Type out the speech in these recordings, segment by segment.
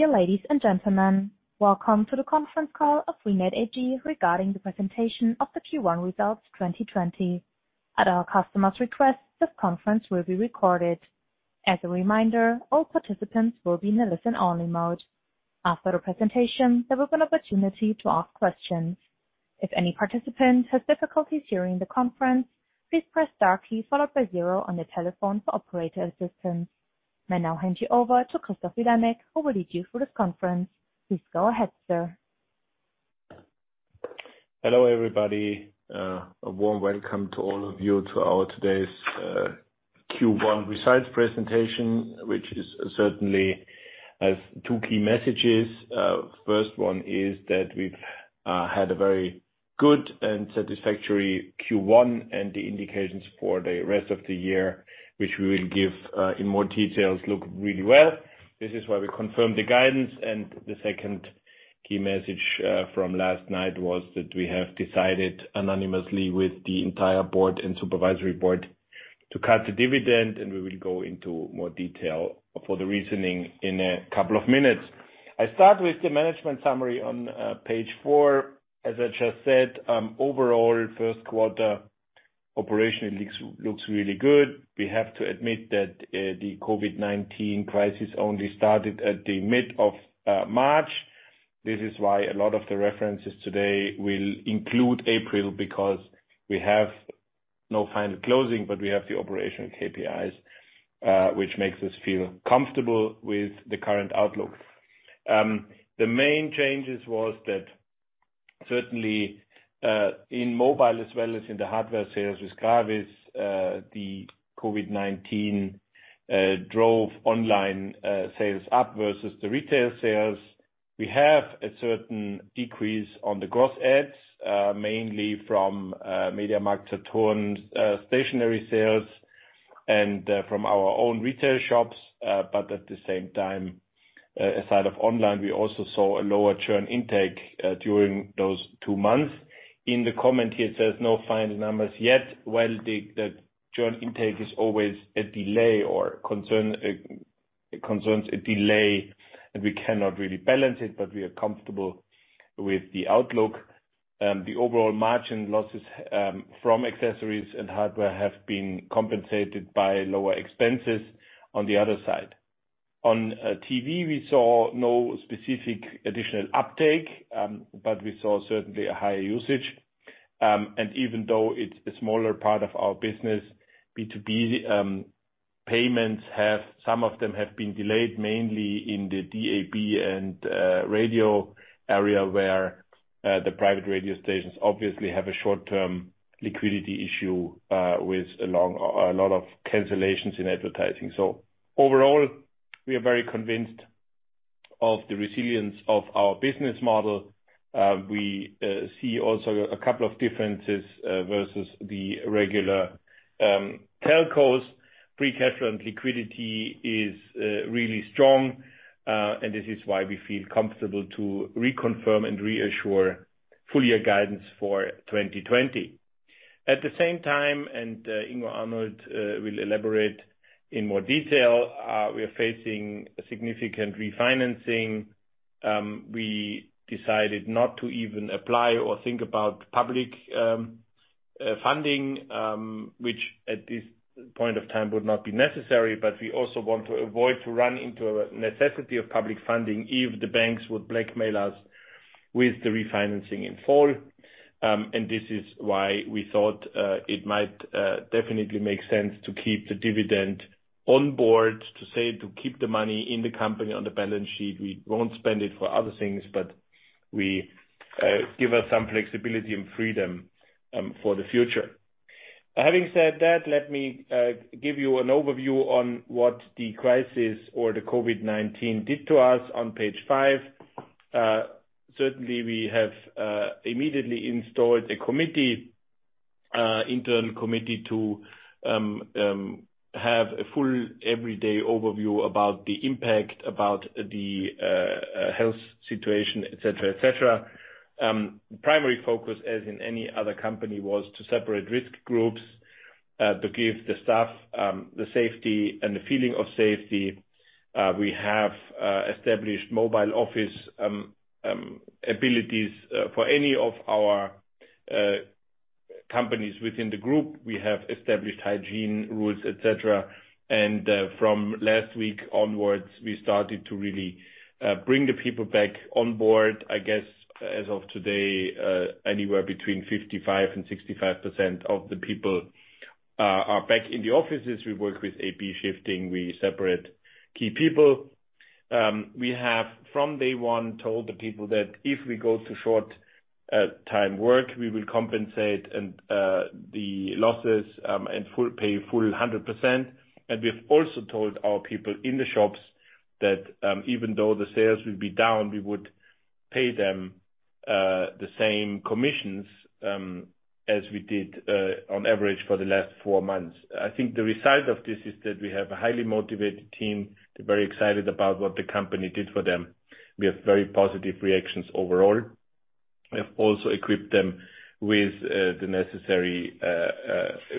Dear ladies and gentlemen, welcome to the conference call of freenet AG regarding the presentation of the Q1 results 2020. At our customer's request, this conference will be recorded. As a reminder, all participants will be in a listen-only mode. After the presentation, there will be an opportunity to ask questions. If any participant has difficulties hearing the conference, please press star key followed by zero on your telephone for operator assistance. May now hand you over to Christoph Vilanek, who will lead you through this conference. Please go ahead, sir. Hello, everybody. A warm welcome to all of you to our today's Q1 results presentation, which certainly has two key messages. First one is that we've had a very good and satisfactory Q1, and the indications for the rest of the year, which we will give in more details, look really well. This is why we confirmed the guidance. The second key message from last night was that we have decided unanimously with the entire Board and Supervisory Board to cut the dividend, and we will go into more detail for the reasoning in a couple of minutes. I start with the management summary on page four. As I just said, overall first quarter operation looks really good. We have to admit that the COVID-19 crisis only started at the mid of March. This is why a lot of the references today will include April, because we have no final closing, but we have the operational KPIs, which makes us feel comfortable with the current outlook. The main changes was that certainly, in mobile as well as in the hardware sales with Gravis, the COVID-19 drove online sales up versus the retail sales. We have a certain decrease on the gross adds, mainly from MediaMarkt, Saturn stationary sales, and from our own retail shops. At the same time, aside of online, we also saw a lower churn intake during those two months. In the comment here, it says no final numbers yet. Well, the churn intake is always a delay or concerns a delay, and we cannot really balance it, but we are comfortable with the outlook. The overall margin losses from accessories and hardware have been compensated by lower expenses on the other side. TV, we saw no specific additional uptake, but we saw certainly a higher usage. Even though it's a smaller part of our business, B2B payments, some of them have been delayed, mainly in the DAB and radio area, where the private radio stations obviously have a short-term liquidity issue, with a lot of cancellations in advertising. Overall, we are very convinced of the resilience of our business model. We see also a couple of differences versus the regular telcos. Free cash flow and liquidity is really strong, and this is why we feel comfortable to reconfirm and reassure full-year guidance for 2020. At the same time, Ingo Arnold will elaborate in more detail, we are facing a significant refinancing. We decided not to even apply or think about public funding, which at this point of time would not be necessary. We also want to avoid to run into a necessity of public funding if the banks would blackmail us with the refinancing in fall. This is why we thought it might definitely make sense to keep the dividend on board to keep the money in the company on the balance sheet. We won't spend it for other things, but we give us some flexibility and freedom for the future. Having said that, let me give you an overview on what the crisis or the COVID-19 did to us on page five. Certainly, we have immediately installed a internal committee to have a full everyday overview about the impact, about the health situation, et cetera. Primary focus, as in any other company, was to separate risk groups, to give the staff the safety and the feeling of safety. We have established mobile office abilities for any of our companies within the group. We have established hygiene rules, et cetera. From last week onwards, we started to really bring the people back on board. I guess as of today, anywhere between 55% and 65% of the people are back in the offices. We work with A/B testing. We separate key people. We have, from day one, told the people that if we go to short time work, we will compensate the losses and pay full 100%. We've also told our people in the shops that even though the sales will be down, we would pay them the same commissions as we did on average for the last four months. I think the result of this is that we have a highly motivated team. They're very excited about what the company did for them. We have very positive reactions overall. We have also equipped them with the necessary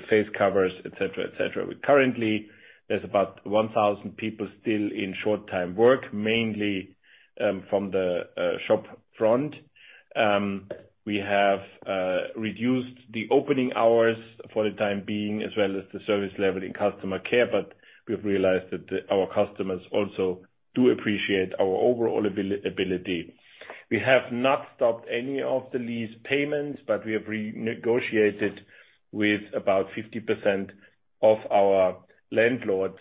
face covers, et cetera. Currently, there's about 1,000 people still in short-time work, mainly from the shop front. We have reduced the opening hours for the time being as well as the service level in customer care, but we've realized that our customers also do appreciate our overall ability. We have not stopped any of the lease payments, but we have renegotiated with about 50% of our landlords,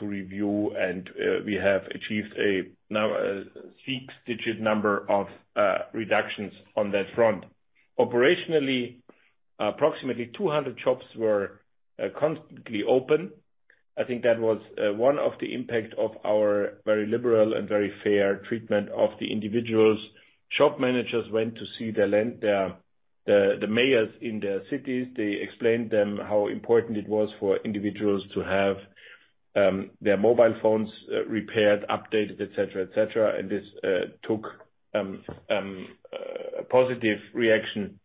to review, and we have achieved a EUR six-digit number of reductions on that front. Operationally, approximately 200 shops were constantly open. I think that was one of the impacts of our very liberal and very fair treatment of the individuals. Shop managers went to see the mayors in their cities. They explained to them how important it was for individuals to have their mobile phones repaired, updated, et cetera. This took a positive reaction.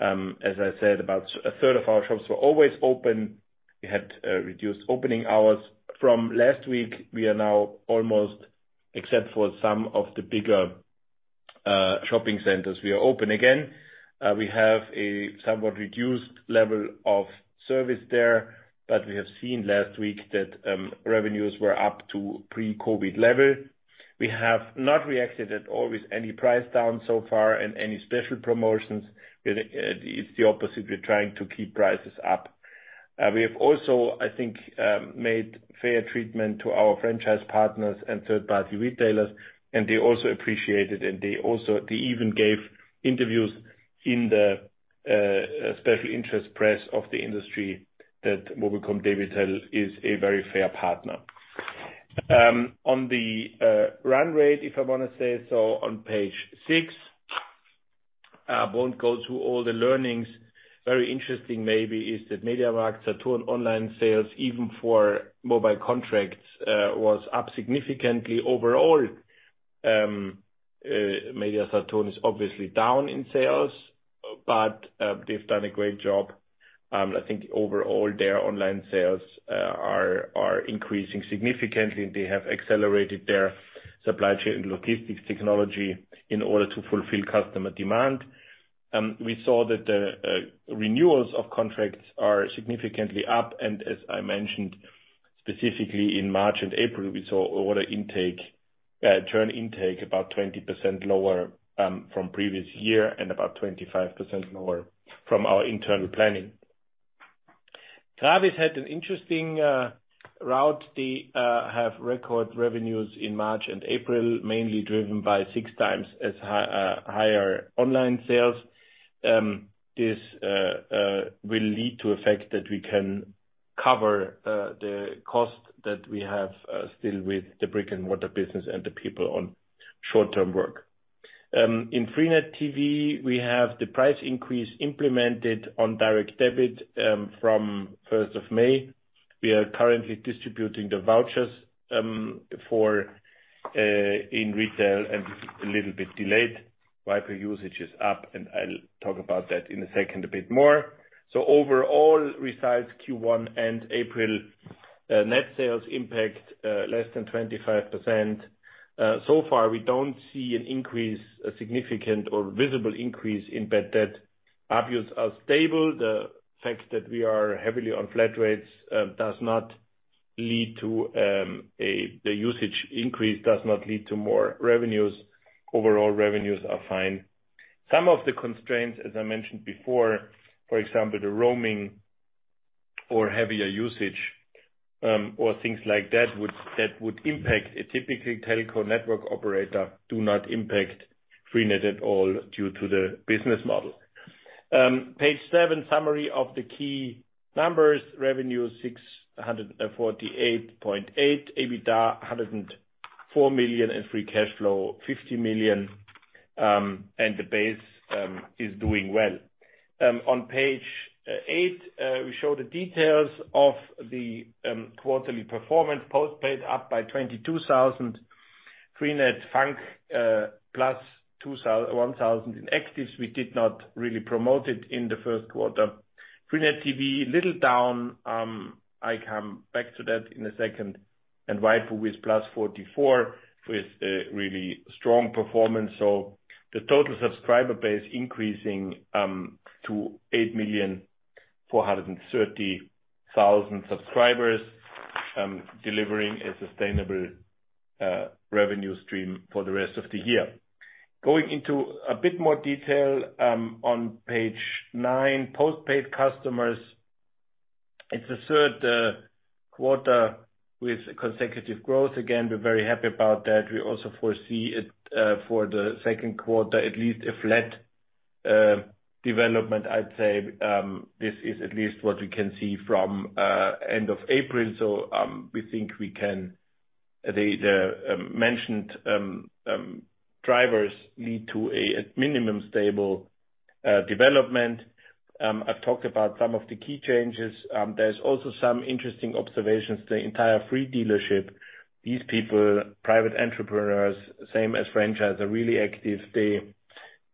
As I said, about a third of our shops were always open. We had reduced opening hours. From last week, we are now almost, except for some of the bigger shopping centers, we are open again. We have a somewhat reduced level of service there, but we have seen last week that revenues were up to pre-COVID-19 level. We have not reacted at all with any price down so far and any special promotions. It's the opposite. We're trying to keep prices up. We have also, I think, made fair treatment to our franchise partners and third-party retailers, and they also appreciate it. They even gave interviews in the special interest press of the industry that mobilcom-debitel is a very fair partner. On the run rate, if I want to say so, on page six. I won't go through all the learnings. Very interesting maybe is that MediaMarktSaturn online sales, even for mobile contracts, was up significantly overall. MediaSaturn is obviously down in sales, but they've done a great job. I think overall, their online sales are increasing significantly, and they have accelerated their supply chain and logistics technology in order to fulfill customer demand. We saw that the renewals of contracts are significantly up, and as I mentioned, specifically in March and April, we saw order intake, churn intake, about 20% lower from the previous year and about 25% lower from our internal planning. Gravis had an interesting route. They have record revenues in March and April, mainly driven by 6 times as higher online sales. This will lead to a fact that we can cover the cost that we have still with the brick-and-mortar business and the people on short-term work. In freenet TV, we have the price increase implemented on direct debit from 1st of May. We are currently distributing the vouchers in retail, and this is a little bit delayed waipu.tv Usage is up, and I'll talk about that in a second a bit more. Overall, besides Q1 and April, net sales impact less than 25%. Far, we don't see a significant or visible increase in bad debt. ARPU are stable. The fact that we are heavily on flat rates, the usage increase does not lead to more revenues. Overall, revenues are fine. Some of the constraints, as I mentioned before, for example, the roaming or heavier usage, or things like that would impact a typical telco network operator, do not impact freenet at all due to the business model. Page seven, summary of the key numbers. Revenue 648.8, EBITDA 104 million, free cash flow 50 million. The base is doing well. On page eight, we show the details of the quarterly performance. postpaid up by 22,000. freenet FUNK plus 1,000 in actives. We did not really promote it in the first quarter. freenet TV, little down. I come back to that in a second. waipu.tv With +44 with a really strong performance. The total subscriber base increasing to 8,430,000 subscribers, delivering a sustainable revenue stream for the rest of the year. Going into a bit more detail, on page nine, postpaid customers. It's the third quarter with consecutive growth. Again, we're very happy about that. We also foresee it for the second quarter, at least a flat development, I'd say. This is at least what we can see from end of April. We think the mentioned drivers lead to a minimum stable development. I've talked about some of the key changes. There's also some interesting observations. The entire free dealership, these people, private entrepreneurs, same as franchise, are really active. They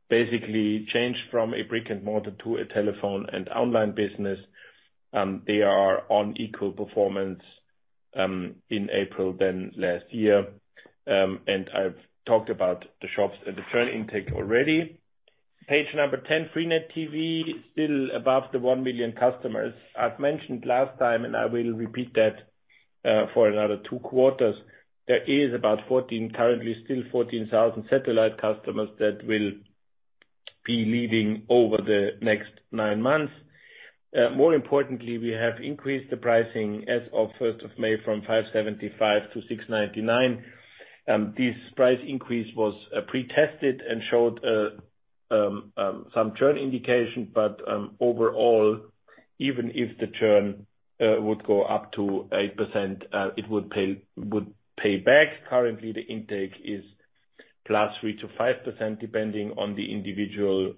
basically changed from a brick-and-mortar to a telephone and online business. They are on equal performance in April than last year. I've talked about the shops and the churn intake already. Page number 10, freenet TV, still above the 1 million customers. I've mentioned last time, and I will repeat that for another two quarters. There is about 14, currently still 14,000 satellite customers that will be leaving over the next nine months. More importantly, we have increased the pricing as of 1st of May from 575-699. This price increase was pre-tested and showed some churn indication. Overall, even if the churn would go up to 8%, it would pay back. Currently, the intake is +3% to 5%, depending on the individual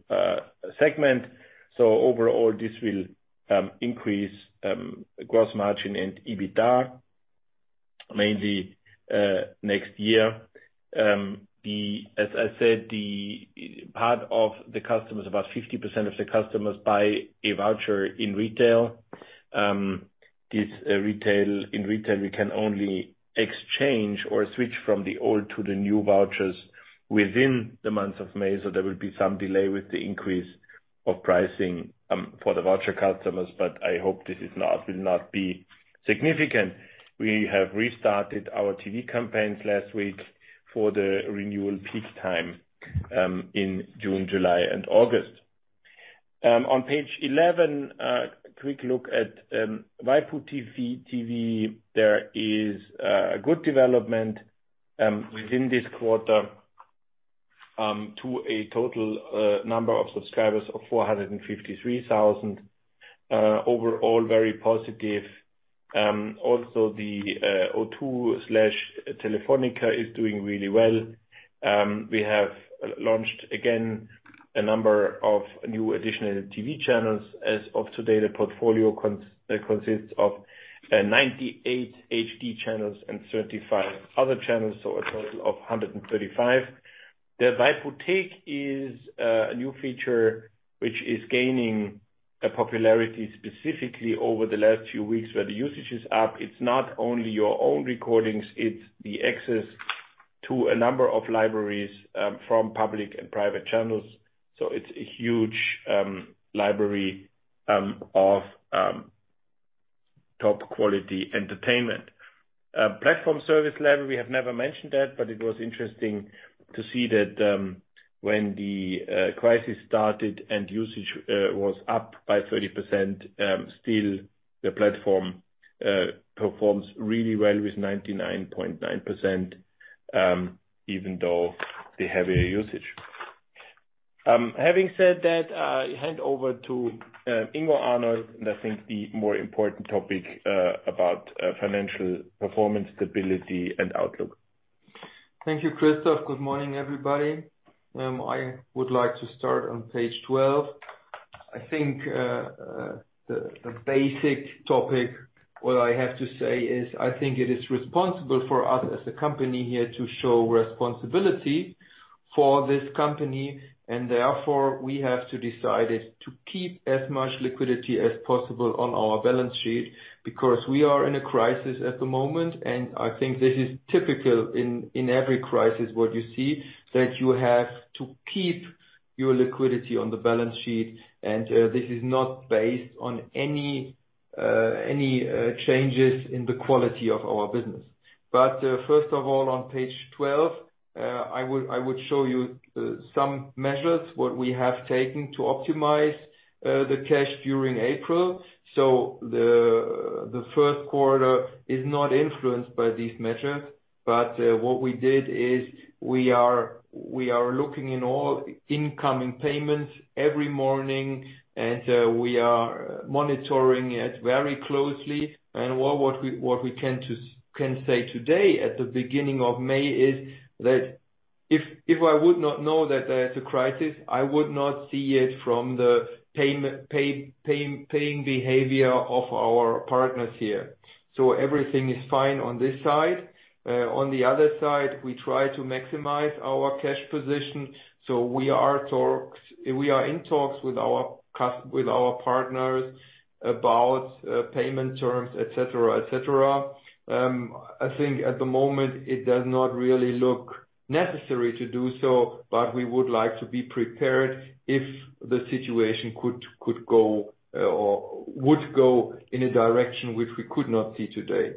segment. Overall, this will increase gross margin and EBITDA mainly next year. As I said, part of the customers, about 50% of the customers buy a voucher in retail. In retail, we can only exchange or switch from the old to the new vouchers within the month of May, there will be some delay with the increase of pricing for the voucher customers, I hope this will not be significant. We have restarted our TV campaigns last week for the renewal peak time in June, July, and August. On page 11, a quick look at waipu.tv. There is a good development within this quarter to a total number of subscribers of 453,000. Overall, very positive. The O2/Telefónica is doing really well. We have launched, again, a number of new additional TV channels. As of today, the portfolio consists of 98 HD channels and 35 other channels, so a total of 135. The waiputhek is a new feature which is gaining a popularity specifically over the last few weeks where the usage is up. It's not only your own recordings, it's the access to a number of libraries from public and private channels. It's a huge library of top-quality entertainment. Platform service level, we have never mentioned that, but it was interesting to see that when the crisis started and usage was up by 30%, still the platform performs really well with 99.9%, even though the heavier usage. Having said that, I hand over to Ingo Arnold, and I think the more important topic about financial performance, stability, and outlook. Thank you, Christoph. Good morning, everybody. I would like to start on page 12. I think the basic topic, what I have to say is, I think it is responsible for us as a company here to show responsibility for this company, and therefore, we have to decide to keep as much liquidity as possible on our balance sheet, because we are in a crisis at the moment, and I think this is typical in every crisis, what you see, that you have to keep your liquidity on the balance sheet, and this is not based on any changes in the quality of our business. First of all, on page 12, I would show you some measures, what we have taken to optimize the cash during April. The first quarter is not influenced by these measures. What we did is we are looking in all incoming payments every morning, and we are monitoring it very closely. What we can say today at the beginning of May is that if I would not know that there's a crisis, I would not see it from the paying behavior of our partners here. Everything is fine on this side. On the other side, we try to maximize our cash position. We are in talks with our partners about payment terms, et cetera. I think at the moment, it does not really look necessary to do so, but we would like to be prepared if the situation could go or would go in a direction which we could not see today.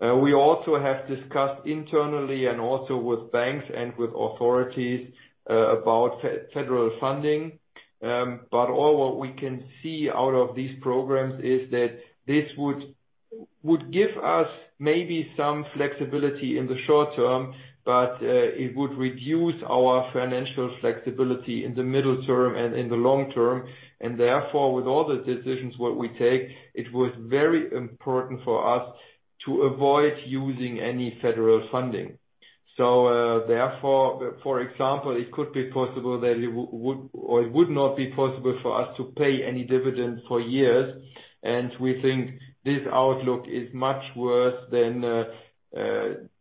We also have discussed internally and also with banks and with authorities about federal funding. All what we can see out of these programs is that this would give us maybe some flexibility in the short term, but it would reduce our financial flexibility in the middle term and in the long term. Therefore, with all the decisions what we take, it was very important for us to avoid using any federal funding. Therefore, for example, it could be possible that it would not be possible for us to pay any dividends for years, and we think this outlook is much worse than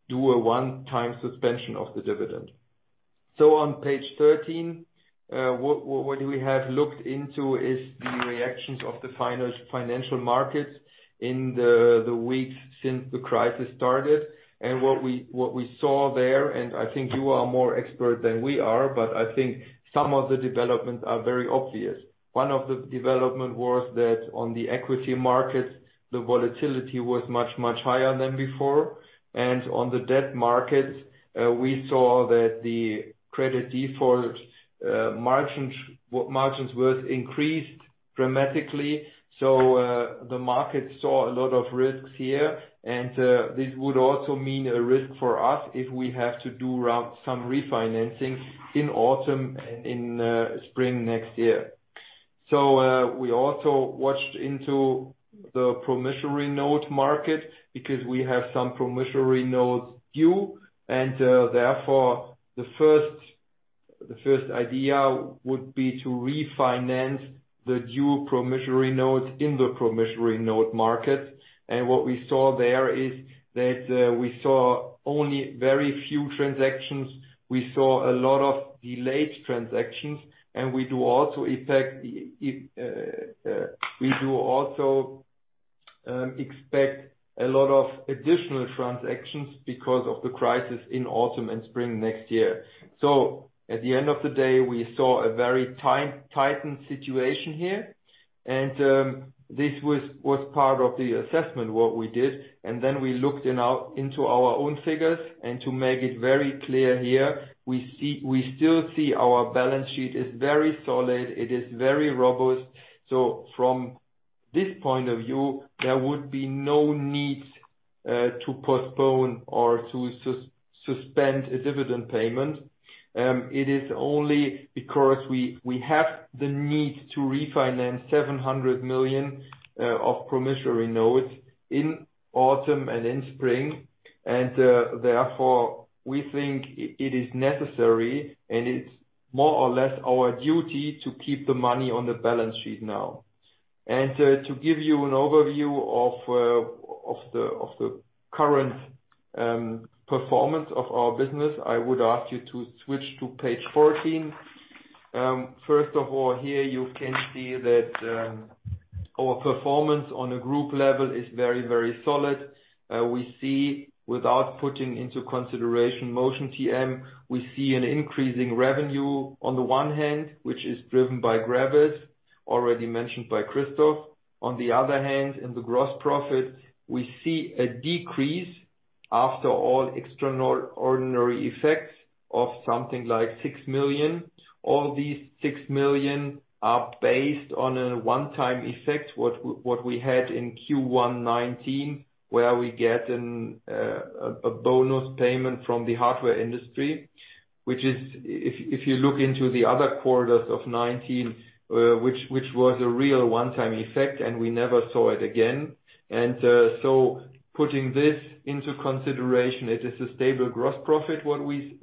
do a one-time suspension of the dividend. On page 13, what we have looked into is the reactions of the financial markets in the weeks since the crisis started and what we saw there. I think you are more expert than we are. I think some of the developments are very obvious. One of the development was that on the equity markets, the volatility was much, much higher than before. On the debt markets, we saw that the credit default margins were increased dramatically. The market saw a lot of risks here, and this would also mean a risk for us if we have to do some refinancing in autumn and in spring next year. We also watched into the promissory note market because we have some promissory notes due, and therefore the first idea would be to refinance the due promissory notes in the promissory note market. What we saw there is that we saw only very few transactions. We saw a lot of delayed transactions, and we do also expect a lot of additional transactions because of the crisis in autumn and spring next year. At the end of the day, we saw a very tightened situation here, and this was part of the assessment what we did. Then we looked into our own figures, and to make it very clear here, we still see our balance sheet is very solid. It is very robust. From this point of view, there would be no need to postpone or to suspend a dividend payment. It is only because we have the need to refinance 700 million of promissory notes in autumn and in spring. Therefore, we think it is necessary and it's more or less our duty to keep the money on the balance sheet now. To give you an overview of the current performance of our business, I would ask you to switch to page 14. First of all, here you can see that our performance on a group level is very, very solid. We see, without putting into consideration Motion TM, we see an increasing revenue on the one hand, which is driven by Gravis, already mentioned by Christoph. On the other hand, in the gross profit, we see a decrease after all extraordinary effects of something like 6 million. All these 6 million are based on a one-time effect, what we had in Q1 2019, where we get a bonus payment from the hardware industry. Which is, if you look into the other quarters of 2019, which was a real one-time effect, and we never saw it again. Putting this into consideration, it is a stable gross profit, what we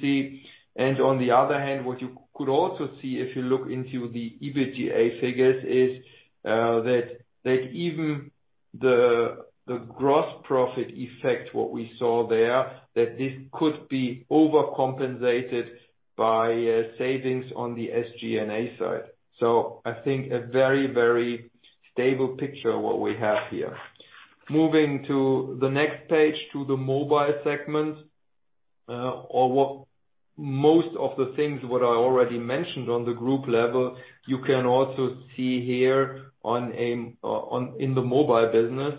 see. On the other hand, what you could also see if you look into the EBITDA figures is that even the gross profit effect, what we saw there, that this could be overcompensated by savings on the SG&A side. I think a very, very stable picture of what we have here. Moving to the next page to the mobile segment. Most of the things what I already mentioned on the group level, you can also see here in the mobile business.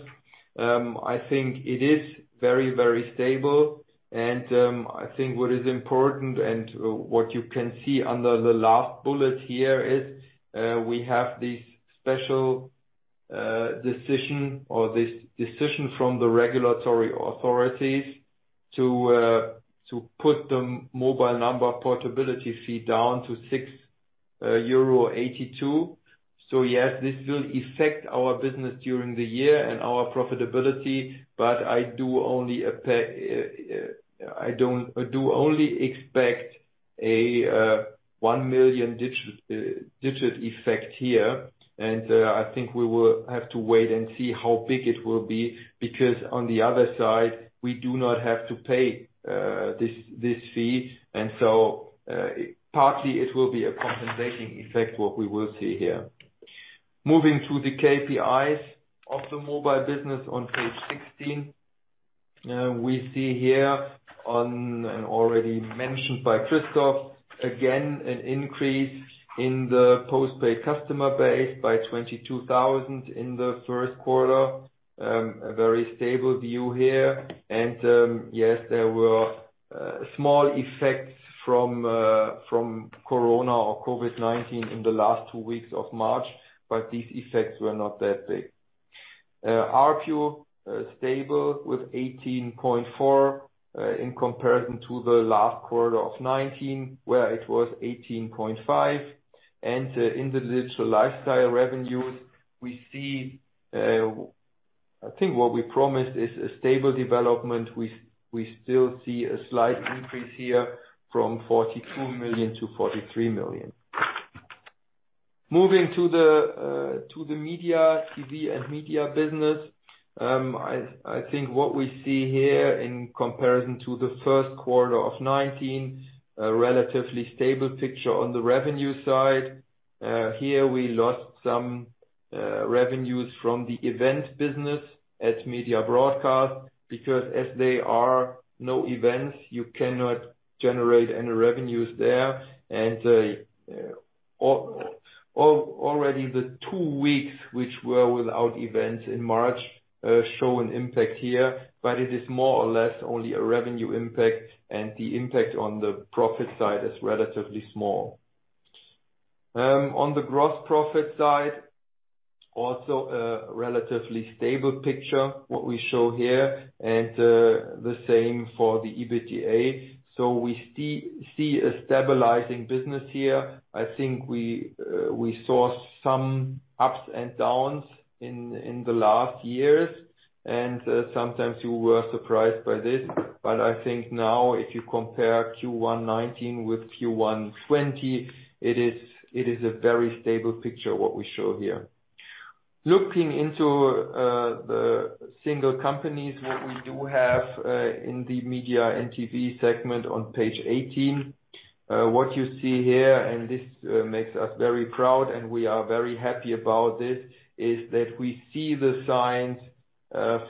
I think it is very, very stable, and I think what is important and what you can see under the last bullet here is we have this special decision or this decision from the regulatory authorities to put the mobile number portability fee down to 6.82 euro. Yes, this will affect our business during the year and our profitability, but I do only expect a 1 million digit effect here. I think we will have to wait and see how big it will be, because on the other side, we do not have to pay this fee. Partly it will be a compensating effect, what we will see here. Moving to the KPIs of the mobile business on page 16. We see here, and already mentioned by Christoph, again, an increase in the postpaid customer base by 22,000 in the first quarter. A very stable view here. Yes, there were small effects from Corona or COVID-19 in the last two weeks of March, but these effects were not that big. ARPU, stable with 18.4 in comparison to the last quarter of 2019, where it was 18.5. In the digital lifestyle revenues, we see a stable development. We still see a slight increase here from 42 million to 43 million. Moving to the media, TV, and media business. What we see here in comparison to the first quarter of 2019, a relatively stable picture on the revenue side. Here we lost some revenues from the event business as Media Broadcast, because as there are no events, you cannot generate any revenues there. Already the two weeks which were without events in March, show an impact here, but it is more or less only a revenue impact, and the impact on the profit side is relatively small. On the gross profit side, also a relatively stable picture, what we show here, and the same for the EBITDA. We see a stabilizing business here. I think we saw some ups and downs in the last years, and sometimes you were surprised by this. I think now if you compare Q1 2019 with Q1 2020, it is a very stable picture, what we show here. Looking into the single companies that we do have in the media and TV segment on page 18. What you see here, and this makes us very proud, and we are very happy about this, is that we see the signs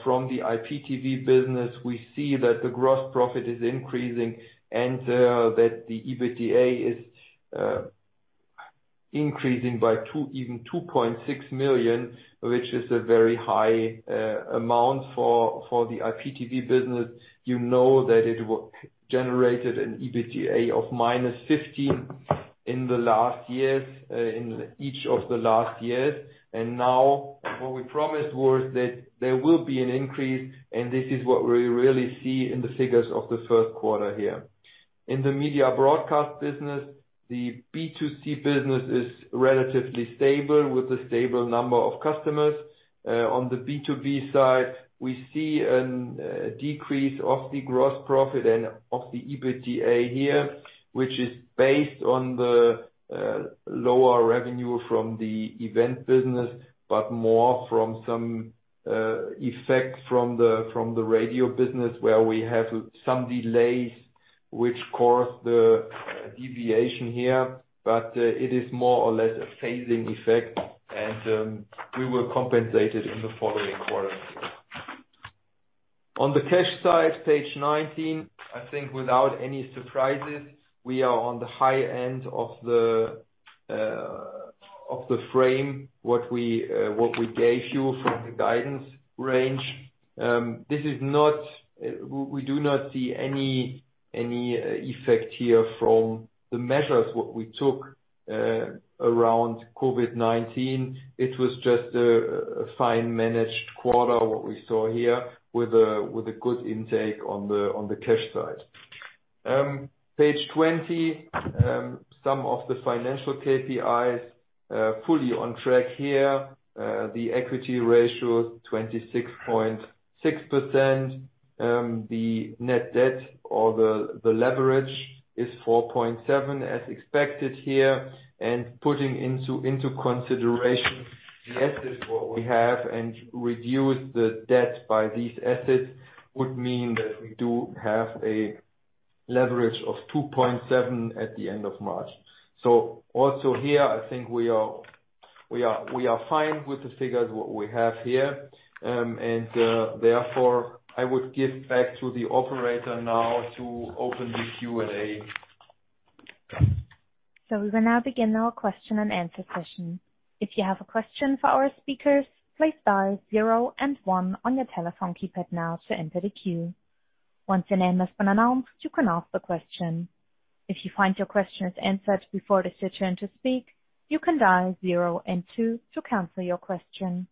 from the IPTV business. We see that the gross profit is increasing and that the EBITDA is increasing by even 2.6 million, which is a very high amount for the IPTV business. You know that it generated an EBITDA of -15 in each of the last years. Now what we promised was that there will be an increase, and this is what we really see in the figures of the first quarter here. In the Media Broadcast business, the B2C business is relatively stable with a stable number of customers. On the B2B side, we see a decrease of the gross profit and of the EBITDA here, which is based on the lower revenue from the event business, but more from some effect from the radio business where we have some delays which caused the deviation here. It is more or less a phasing effect and we will compensate it in the following quarters. On the cash side, page 19, I think without any surprises, we are on the high end of the frame, what we gave you from the guidance range. We do not see any effect here from the measures what we took around COVID-19. It was just a fine managed quarter, what we saw here with a good intake on the cash side. Page 20, some of the financial KPIs are fully on track here. The equity ratio is 26.6%. The net debt or the leverage is 4.7 as expected here. Putting into consideration the assets what we have and reduce the debt by these assets would mean that we do have a leverage of 2.7 at the end of March. Also here, I think we are fine with the figures, what we have here. Therefore, I would give back to the operator now to open the Q&A. We will now begin our question and answer session. If you have a question for our speakers, please dial zero and one on your telephone keypad now to enter the queue. Once your name has been announced, you can ask the question. If you find your question is answered before it is your turn to speak, you can dial zero and two to cancel your question.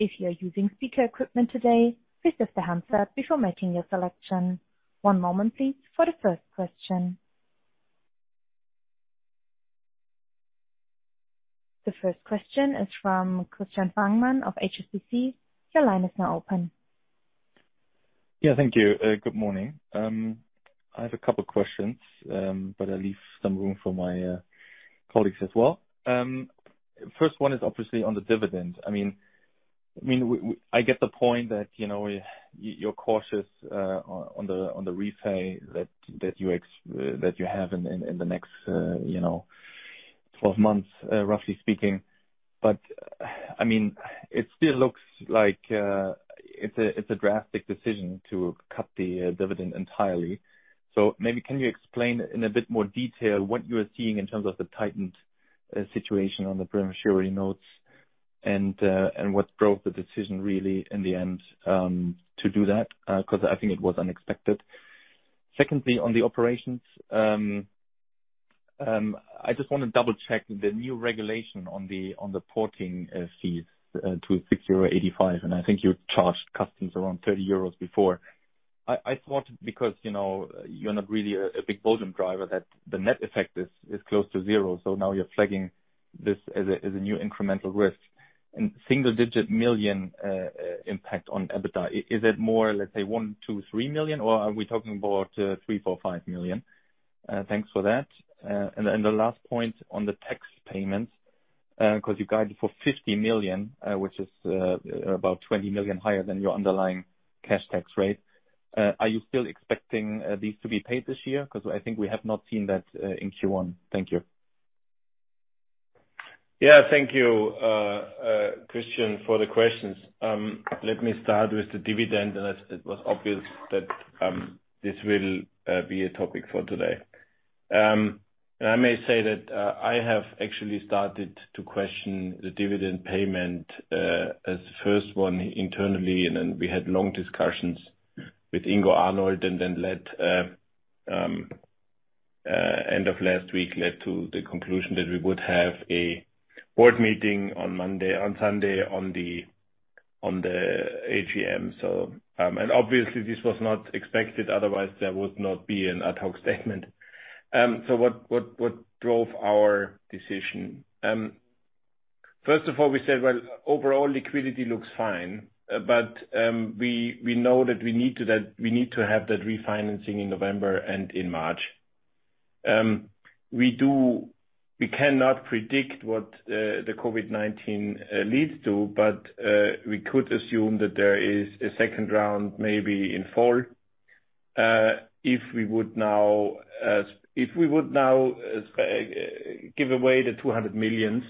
If you are using speaker equipment today, please lift the handset before making your selection. One moment please for the first question. The first question is from Christian Fangmann of HSBC. Your line is now open. Yeah. Thank you. Good morning. I have a couple questions, but I leave some room for my colleagues as well. First one is obviously on the dividend. I get the point that you're cautious on the repay that you have in the next 12 months, roughly speaking. It still looks like it's a drastic decision to cut the dividend entirely. Maybe can you explain in a bit more detail what you're seeing in terms of the tightened situation on the prematurity notes and what drove the decision really in the end, to do that? I think it was unexpected. On the operations, I just want to double-check the new regulation on the porting fees to 6.85 euro, and I think you charged customers around 30 euros before. I thought because you're not really a big volume driver, that the net effect is close to zero. Now you're flagging this as a new incremental risk and single-digit million impact on EBITDA. Is it more, let's say, 1, 2, 3 million, or are we talking about 3, 4, 5 million? Thanks for that. The last point on the tax payments, because you guided for 50 million, which is about 20 million higher than your underlying cash tax rate. Are you still expecting these to be paid this year? Because I think we have not seen that in Q1. Thank you. Thank you, Christian, for the questions. Let me start with the dividend. It was obvious that this will be a topic for today. I may say that I have actually started to question the dividend payment as the first one internally, and then we had long discussions with Ingo Arnold, and then end of last week led to the conclusion that we would have a board meeting on Sunday on the AGM. Obviously this was not expected, otherwise there would not be an ad hoc statement. What drove our decision? First of all, we said, well, overall liquidity looks fine, but we know that we need to have that refinancing in November and in March. We cannot predict what the COVID-19 leads to, but we could assume that there is a second round, maybe in fall. If we would now give away the 200 million,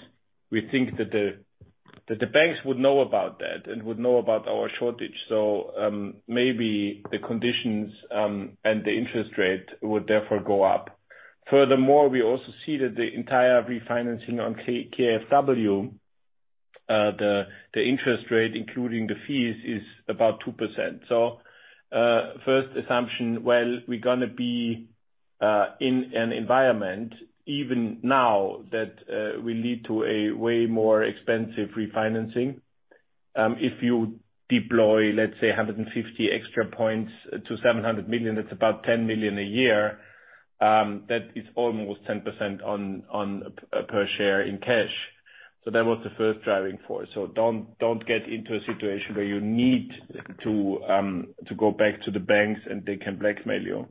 we think that the banks would know about that and would know about our shortage. Maybe the conditions, and the interest rate would therefore go up. Furthermore, we also see that the entire refinancing on KfW, the interest rate, including the fees, is about 2%. First assumption, well, we're going to be in an environment even now that will lead to a way more expensive refinancing. If you deploy, let's say, 150 basis points to 700 million, it's about 10 million a year. That is almost 10% on per share in cash. That was the first driving force. Don't get into a situation where you need to go back to the banks and they can blackmail you.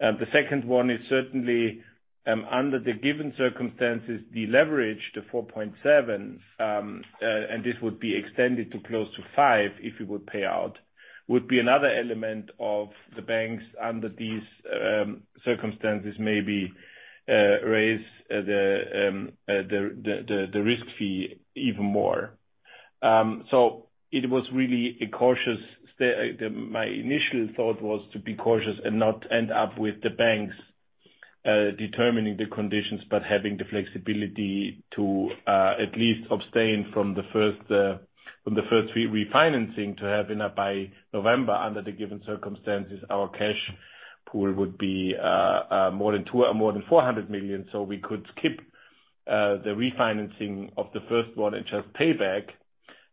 The second one is certainly, under the given circumstances, the leverage to 4.7, and this would be extended to close to five if it would pay out, would be another element of the banks under these circumstances, maybe, raise the risk fee even more. It was really a cautious. My initial thought was to be cautious and not end up with the banks determining the conditions, but having the flexibility to at least abstain from the first refinancing to have enough by November. Under the given circumstances, our cash pool would be more than 400 million. We could skip the refinancing of the first one and just pay back.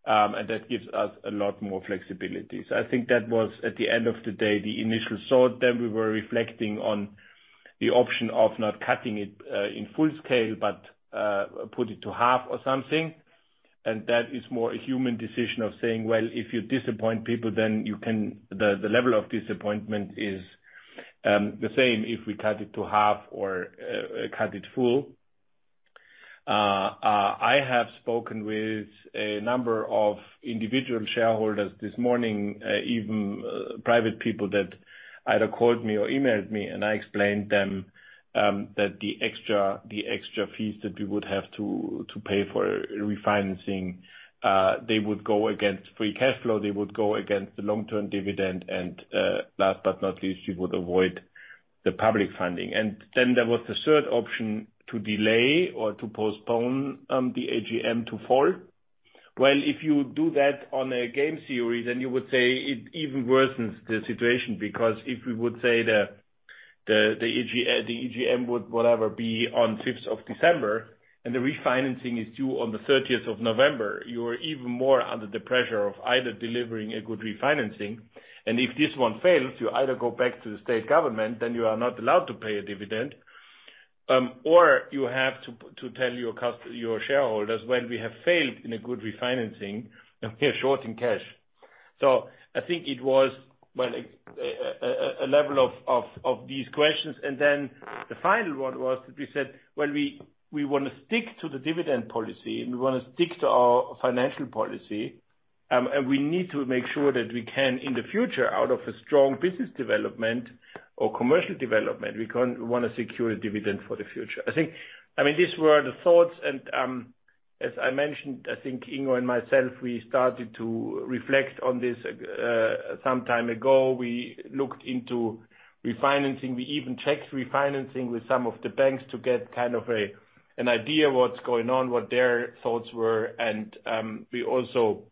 That gives us a lot more flexibility. I think that was at the end of the day, the initial thought. We were reflecting on the option of not cutting it in full scale, but put it to half or something. That is more a human decision of saying, well, if you disappoint people, then the level of disappointment is the same if we cut it to half or cut it full. I have spoken with a number of individual shareholders this morning, even private people that either called me or emailed me, and I explained them that the extra fees that we would have to pay for refinancing, they would go against free cash flow. They would go against the long-term dividend. Last but not least, we would avoid the public funding. There was the third option to delay or to postpone the AGM to fall. Well, if you do that on a game theory, then you would say it even worsens the situation, because if we would say that the AGM would, whatever, be on 5th of December and the refinancing is due on the 30th of November, you are even more under the pressure of either delivering a good refinancing. If this one fails, you either go back to the state government, then you are not allowed to pay a dividend, or you have to tell your shareholders, "Well, we have failed in a good refinancing and we are short in cash." I think it was, well, a level of these questions. The final one was that we said, well, we want to stick to the dividend policy, and we want to stick to our financial policy. We need to make sure that we can, in the future, out of a strong business development or commercial development, we want to secure a dividend for the future. These were the thoughts. As I mentioned, I think Ingo and myself, we started to reflect on this some time ago. We looked into refinancing. We even checked refinancing with some of the banks to get kind of an idea what's going on, what their thoughts were. We also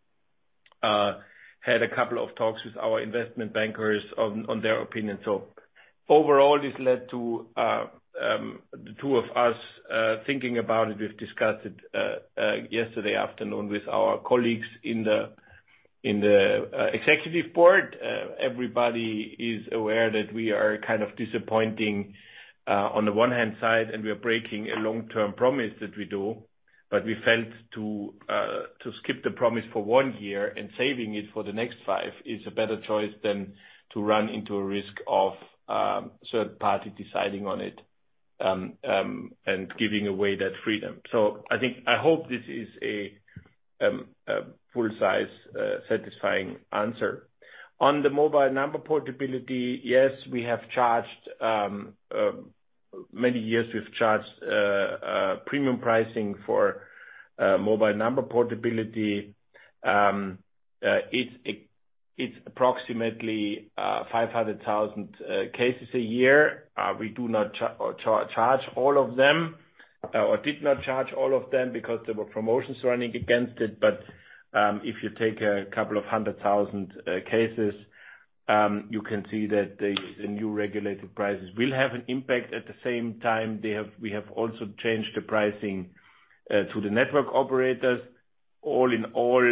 had a couple of talks with our investment bankers on their opinion. Overall, this led to the two of us thinking about it. We've discussed it yesterday afternoon with our colleagues in the Executive Board. Everybody is aware that we are disappointing on the one hand side, and we are breaking a long-term promise that we do. We felt to skip the promise for one year and saving it for the next five is a better choice than to run into a risk of a third party deciding on it, and giving away that freedom. I hope this is a full size, satisfying answer. On the mobile number portability, yes, many years we've charged premium pricing for mobile number portability. It's approximately 500,000 cases a year. We do not charge all of them or did not charge all of them because there were promotions running against it. If you take a couple of 100,000 cases, you can see that the new regulated prices will have an impact. At the same time, we have also changed the pricing to the network operators. All in all,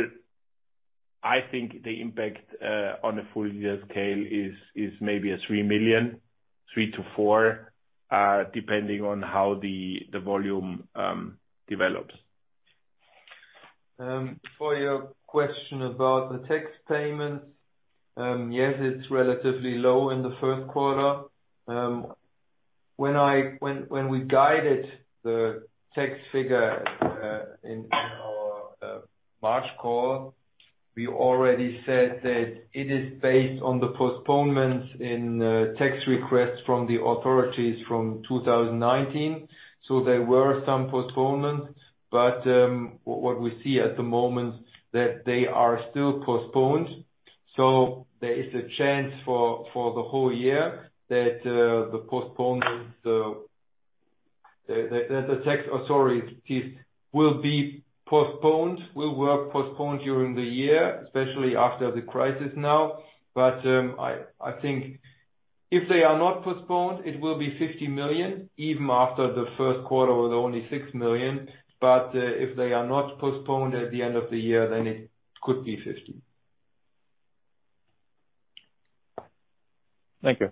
I think the impact on a full year scale is maybe 3 million, 3 million-4 million, depending on how the volume develops. For your question about the tax payments, yes, it is relatively low in the first quarter. When we guided the tax figure in our March call, we already said that it is based on the postponements in tax requests from the authorities from 2019. There were some postponements, but what we see at the moment, that they are still postponed. There is a chance for the whole year that the tax authorities will be postponed during the year, especially after the crisis now. I think if they are not postponed, it will be 50 million, even after the first quarter with only 6 million. If they are not postponed at the end of the year, then it could be 50 million. Thank you.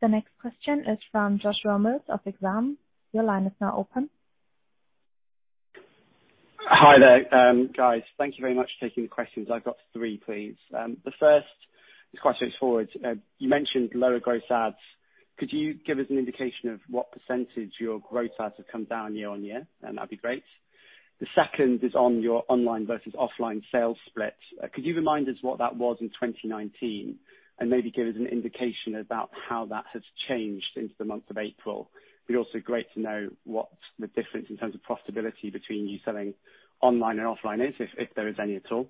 The next question is from Joshua Mills of Exane. Your line is now open. Hi there. Guys, thank you very much for taking the questions. I've got three, please. The first is quite straightforward. You mentioned lower gross adds. Could you give us an indication of what % your gross adds have come down year-on-year? That'd be great. The second is on your online versus offline sales split. Could you remind us what that was in 2019 and maybe give us an indication about how that has changed into the month of April? It'd be also great to know what the difference in terms of profitability between you selling online and offline is, if there is any at all.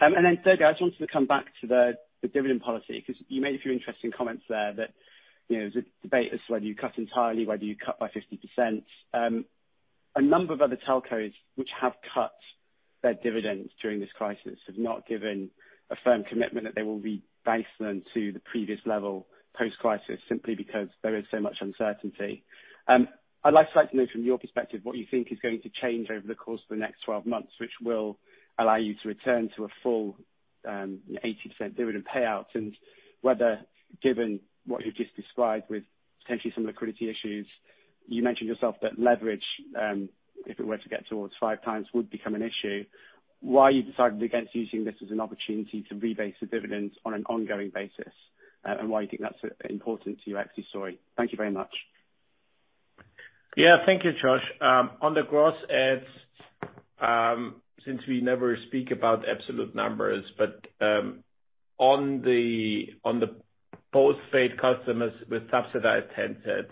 Thirdly, I just wanted to come back to the dividend policy, because you made a few interesting comments there that, the debate as to whether you cut entirely, whether you cut by 50%. A number of other telcos which have cut their dividends during this crisis have not given a firm commitment that they will rebase them to the previous level post-crisis, simply because there is so much uncertainty. I'd like to know from your perspective, what you think is going to change over the course of the next 12 months, which will allow you to return to a full, 80% dividend payout. Whether, given what you've just described with potentially some liquidity issues, you mentioned yourself that leverage, if it were to get towards five times, would become an issue. Why you decided against using this as an opportunity to rebase the dividends on an ongoing basis, and why you think that's important to you actually, sorry? Thank you very much. Yeah. Thank you, Josh. On the gross adds, since we never speak about absolute numbers, but on the post-paid customers with subsidized handsets,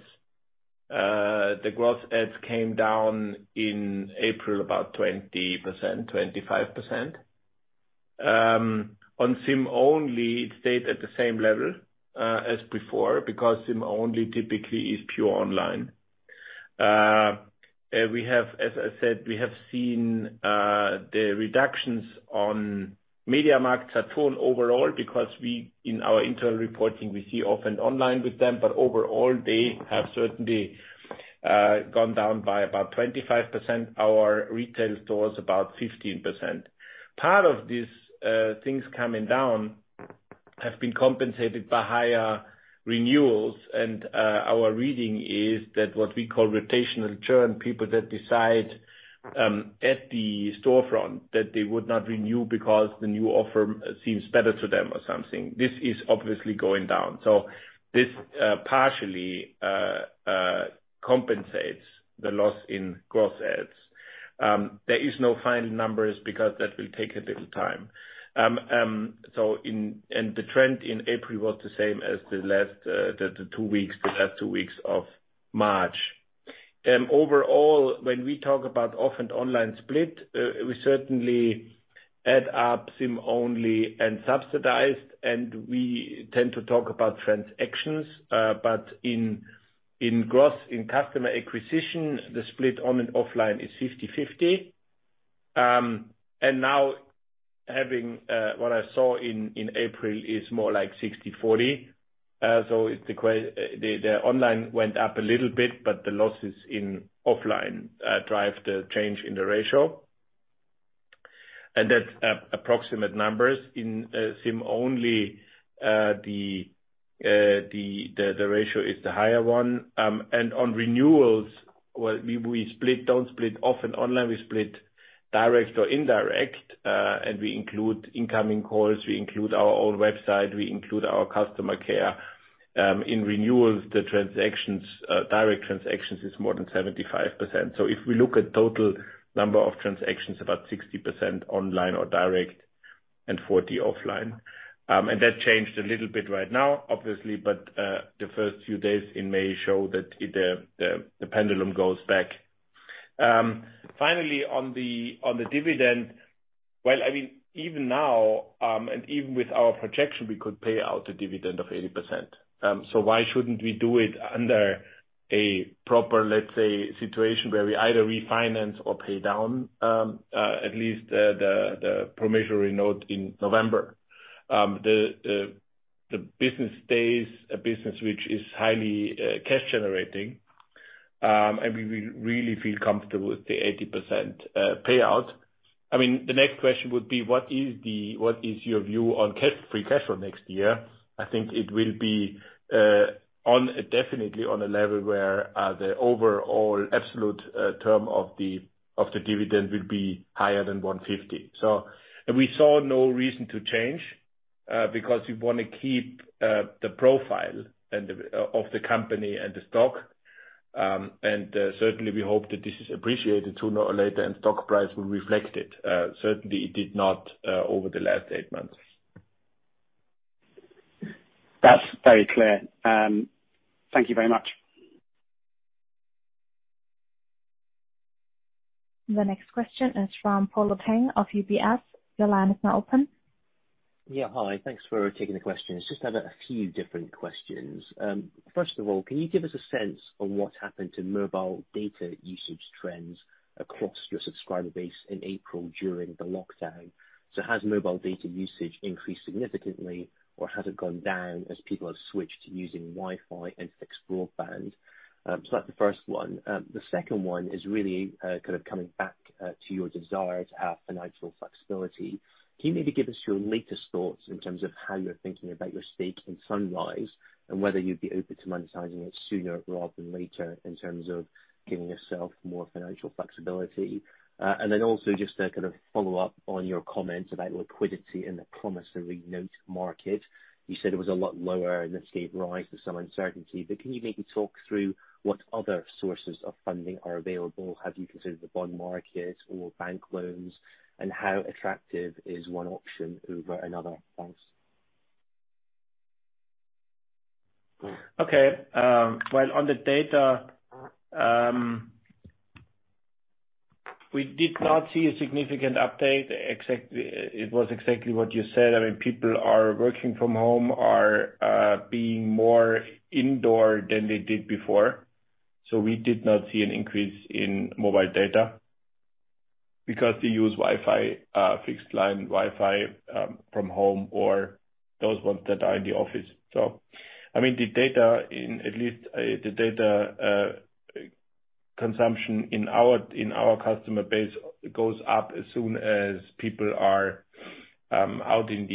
the gross adds came down in April about 20%, 25%. On SIM-only, it stayed at the same level as before because SIM-only typically is pure online. As I said, we have seen the reductions on MediaMarktSaturn overall because in our internal reporting, we see off and online with them, but overall, they have certainly gone down by about 25%, our retail stores about 15%. Part of these things coming down have been compensated by higher renewals, and our reading is that what we call rotational churn, people that decide, at the storefront that they would not renew because the new offer seems better to them or something. This is obviously going down. This partially compensates the loss in gross adds. There is no final numbers because that will take a little time. The trend in April was the same as the last two weeks of March. Overall, when we talk about off and online split, we certainly add up SIM-only and subsidized, and we tend to talk about transactions. In growth in customer acquisition, the split on and offline is 50/50. Now having what I saw in April is more like 60/40. The online went up a little bit, but the losses in offline drive the change in the ratio. That's approximate numbers. In SIM-only, the ratio is the higher one. On renewals, we don't split off and online, we split direct or indirect, and we include incoming calls, we include our own website, we include our customer care. In renewals, the direct transactions is more than 75%. If we look at total number of transactions, about 60% online or direct and 40% offline. That changed a little bit right now, obviously, but the first few days in May show that the pendulum goes back. Finally, on the dividend, even now, and even with our projection, we could pay out a dividend of 80%. Why shouldn't we do it under a proper, let's say, situation where we either refinance or pay down, at least the promissory note in November? The business stays a business which is highly cash generating. We really feel comfortable with the 80% payout. The next question would be what is your view on free cash flow next year? I think it will be definitely on a level where the overall absolute term of the dividend will be higher than 150. We saw no reason to change, because we want to keep the profile of the company and the stock. Certainly, we hope that this is appreciated sooner or later, and stock price will reflect it. Certainly, it did not over the last eight months. That's very clear. Thank you very much. The next question is from Polo Tang of UBS. Your line is now open. Yeah. Hi, thanks for taking the question. Just have a few different questions. First of all, can you give us a sense on what happened to mobile data usage trends across your subscriber base in April during the lockdown? Has mobile data usage increased significantly, or has it gone down as people have switched to using Wi-Fi and fixed broadband? That's the first one. The second one is really kind of coming back to your desire to have financial flexibility. Can you maybe give us your latest thoughts in terms of how you're thinking about your stake in Sunrise, and whether you'd be open to monetizing it sooner rather than later in terms of giving yourself more financial flexibility? Then also just to kind of follow up on your comments about liquidity in the promissory note market. You said it was a lot lower in the scale rise of some uncertainty, but can you maybe talk through what other sources of funding are available? Have you considered the bond market or bank loans, and how attractive is one option over another? Thanks. Okay. Well, on the data, we did not see a significant update. It was exactly what you said. People are working from home, are being more indoor than they did before. We did not see an increase in mobile data because they use fixed line Wi-Fi from home or those ones that are in the office. The data consumption in our customer base goes up as soon as people are out in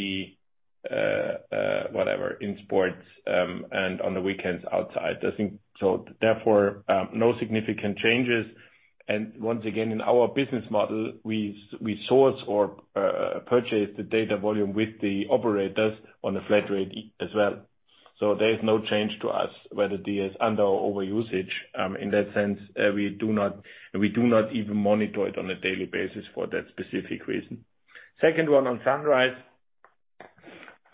sports and on the weekends outside. Therefore, no significant changes. Once again, in our business model, we source or purchase the data volume with the operators on a flat rate as well. There is no change to us whether it is under or over usage. In that sense, we do not even monitor it on a daily basis for that specific reason. Second one on Sunrise.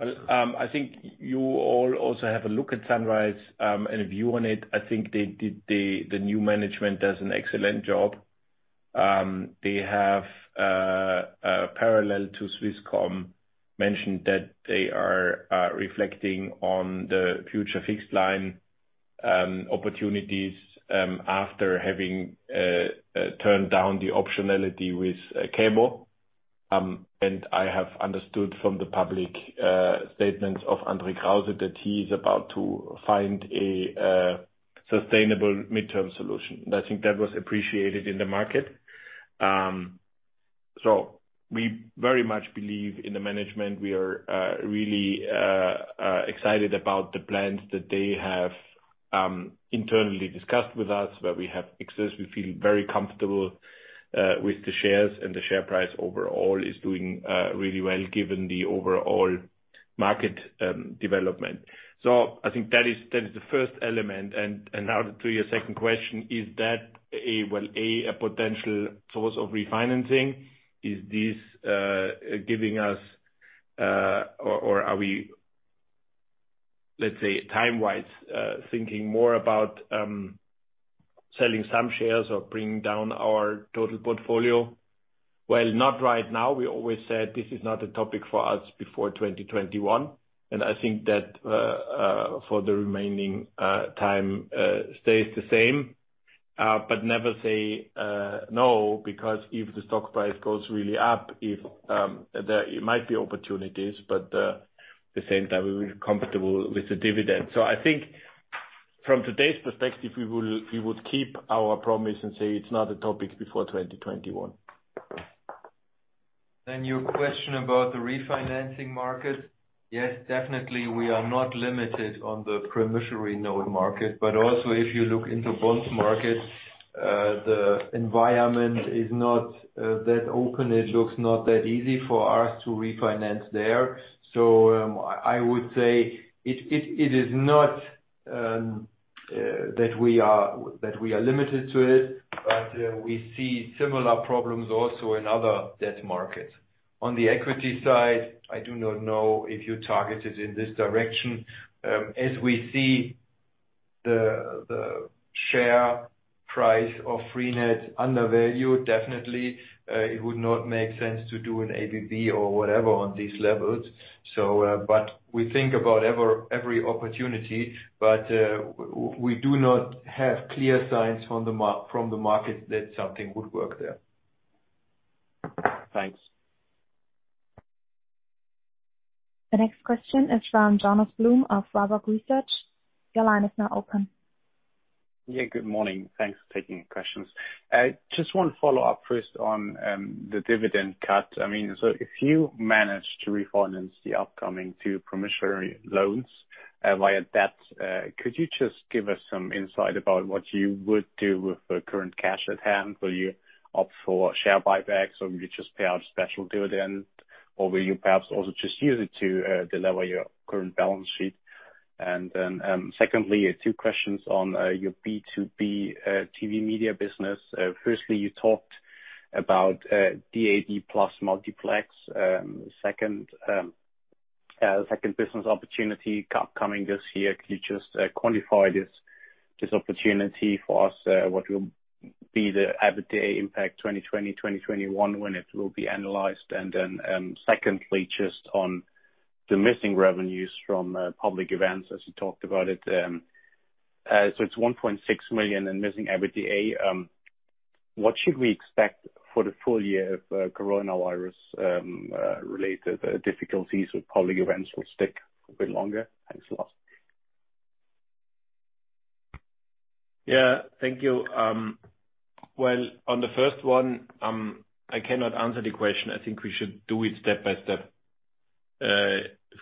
I think you all also have a look at Sunrise, and a view on it. I think the new management does an excellent job. They have, parallel to Swisscom, mentioned that they are reflecting on the future fixed line opportunities after having turned down the optionality with cable. I have understood from the public statements of André Krause that he is about to find a sustainable midterm solution. I think that was appreciated in the market. We very much believe in the management. We are really excited about the plans that they have internally discussed with us, where we have access. We feel very comfortable with the shares, and the share price overall is doing really well given the overall market development. I think that is the first element. Now to your second question, is that a potential source of refinancing? Is this giving us, or are we, let's say, time-wise, selling some shares or bringing down our total portfolio? Not right now. We always said this is not a topic for us before 2021, and I think that for the remaining time, stays the same. Never say no, because if the stock price goes really up, there might be opportunities, but at the same time, we're comfortable with the dividend. I think from today's perspective, we would keep our promise and say it's not a topic before 2021. Your question about the refinancing market. Yes, definitely we are not limited on the promissory note market, but also if you look into bond market, the environment is not that open. It looks not that easy for us to refinance there. I would say it is not that we are limited to it, but we see similar problems also in other debt markets. On the equity side, I do not know if you targeted in this direction. As we see the share price of freenet undervalued, definitely it would not make sense to do an ABB or whatever on these levels. We think about every opportunity, but we do not have clear signs from the market that something would work there. Thanks. The next question is from Jonas Blum of Warburg Research. Your line is now open. Good morning. Thanks for taking the questions. One follow-up first on the dividend cut. If you manage to refinance the upcoming two promissory notes loans via debt, could you just give us some insight about what you would do with the current cash at hand? Will you opt for share buybacks, or will you just pay out a special dividend? Will you perhaps also just use it to delever your current balance sheet? Secondly, two questions on your B2B TV media business. Firstly, you talked about DAB+ multiplex. The second business opportunity upcoming this year. Can you just quantify this opportunity for us? What will be the EBITDA impact 2020, 2021, when it will be analyzed? Secondly, on the missing revenues from public events as you talked about it. It's 1.6 million in missing EBITDA. What should we expect for the full year if coronavirus-related difficulties with public events will stick a bit longer? Thanks a lot. Yeah, thank you. Well, on the first one, I cannot answer the question. I think we should do it step by step.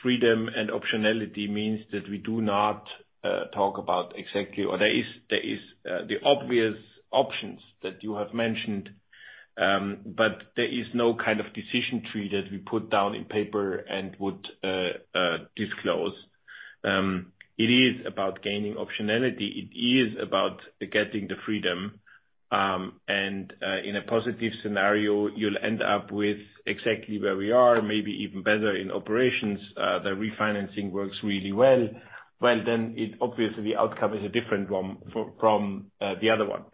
Freedom and optionality means that we do not talk about exactly or there is the obvious options that you have mentioned, but there is no kind of decision tree that we put down in paper and would disclose. It is about gaining optionality. It is about getting the freedom. In a positive scenario, you'll end up with exactly where we are, maybe even better in operations. The refinancing works really well. Well, then obviously the outcome is a different one from the other one.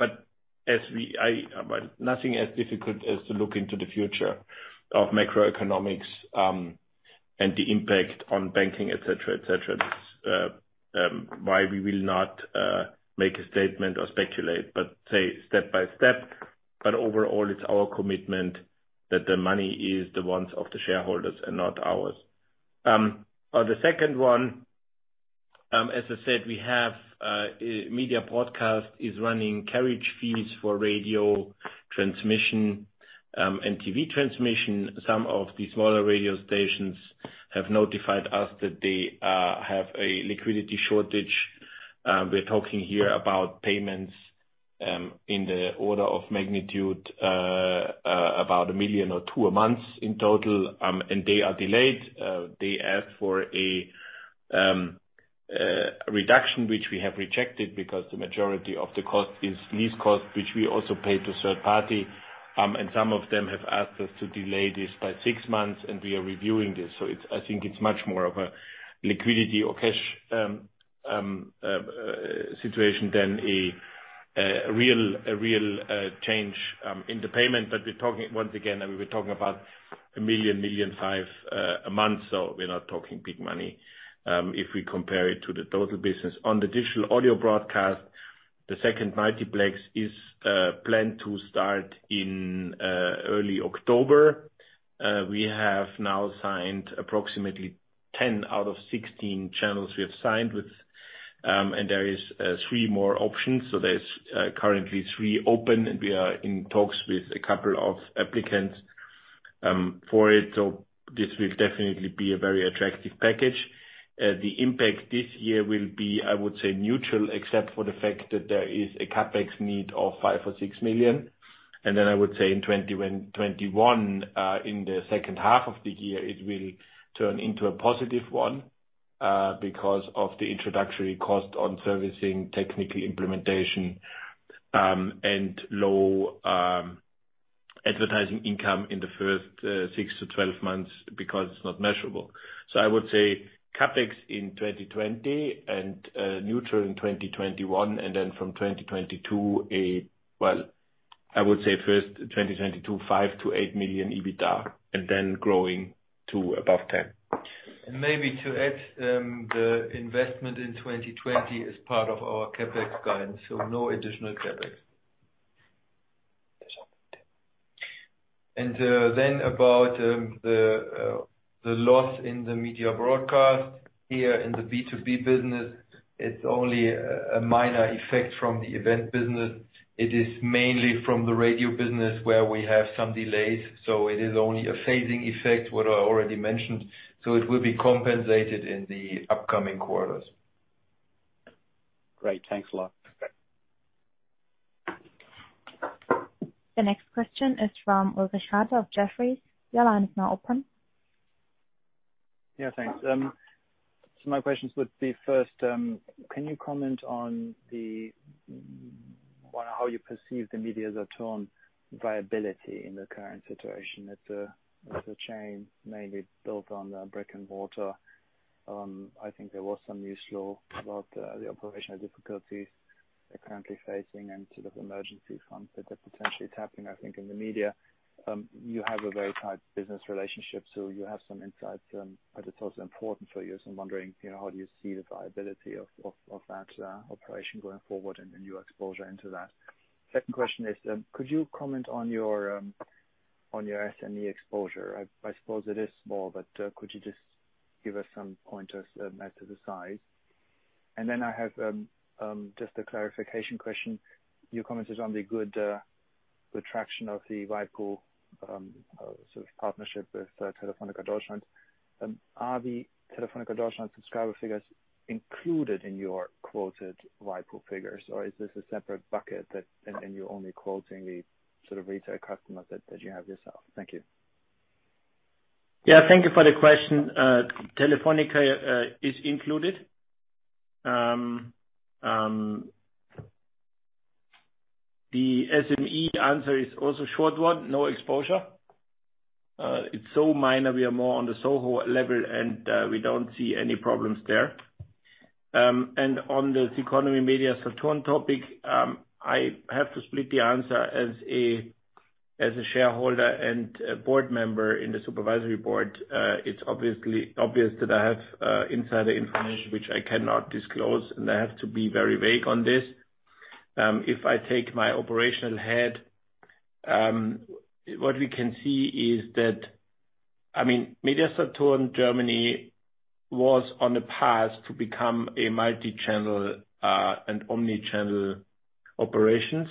Nothing is as difficult as to look into the future of macroeconomics, and the impact on banking, et cetera. That's why we will not make a statement or speculate, but say step by step. Overall, it's our commitment that the money is the ones of the shareholders and not ours. On the second one, as I said, we have Media Broadcast is running carriage fees for radio transmission and TV transmission. Some of the smaller radio stations have notified us that they have a liquidity shortage. We're talking here about payments in the order of magnitude about 1 million or 2 million a month in total, and they are delayed. They asked for a reduction, which we have rejected because the majority of the cost is lease cost, which we also pay to a third party. Some of them have asked us to delay this by six months, and we are reviewing this. I think it's much more of a liquidity or cash situation than a real change in the payment. We're talking, once again, we're talking about 1 million, 1.5 million a month. We're not talking big money, if we compare it to the total business. On the Digital Audio Broadcasting, the second multiplex is planned to start in early October. We have now signed approximately 10 out of 16 channels we have signed with, and there is three more options. There's currently three open, and we are in talks with a couple of applicants for it. This will definitely be a very attractive package. The impact this year will be, I would say, neutral, except for the fact that there is a CapEx need of 5 million or 6 million. I would say in 2021, in the second half of the year, it will turn into a positive one, because of the introductory cost on servicing technical implementation, and low advertising income in the first 6-12 months, because it's not measurable. I would say CapEx in 2020 and neutral in 2021, and then from 2022, I would say first 2022, 5 million-8 million EBITDA, and then growing to above 10 million. Maybe to add, the investment in 2020 is part of our CapEx guidance, no additional CapEx. About the loss in the Media Broadcast. Here in the B2B business, it is only a minor effect from the event business. It is mainly from the radio business where we have some delays. It is only a phasing effect, what I already mentioned. It will be compensated in the upcoming quarters. Great. Thanks a lot. Okay. The next question is from Ulrich Rathe of Jefferies. Your line is now open. Yeah, thanks. My questions would be first, can you comment on how you perceive the Media-Saturn viability in the current situation? It's a chain mainly built on brick and mortar. I think there was some news flow about the operational difficulties they're currently facing and sort of emergency funds that they're potentially tapping, I think, in the media. You have a very tight business relationship, so you have some insights, but it's also important for you. I'm wondering, how do you see the viability of that operation going forward and your exposure into that? Second question is, could you comment on your SME exposure? I suppose it is small, but could you just give us some pointers as to the size? I have just a clarification question. Your comments on the good traction of the waipu.tv Sort of partnership with Telefónica Deutschland. Are the Telefónica Deutschland subscriber figures included in your quoted waipu.tv figures, or is this a separate bucket that, and you're only quoting the sort of retail customers that you have yourself? Thank you. Yeah. Thank you for the question. Telefónica is included. The SME answer is also a short one, no exposure. It's so minor. We are more on the SOHO level, and we don't see any problems there. On the Ceconomy Media-Saturn topic, I have to split the answer as a shareholder and a board member in the supervisory board. It's obvious that I have insider information which I cannot disclose, and I have to be very vague on this. If I take my operational head, what we can see is that Media-Saturn Germany was on the path to become a multichannel, and omnichannel operations,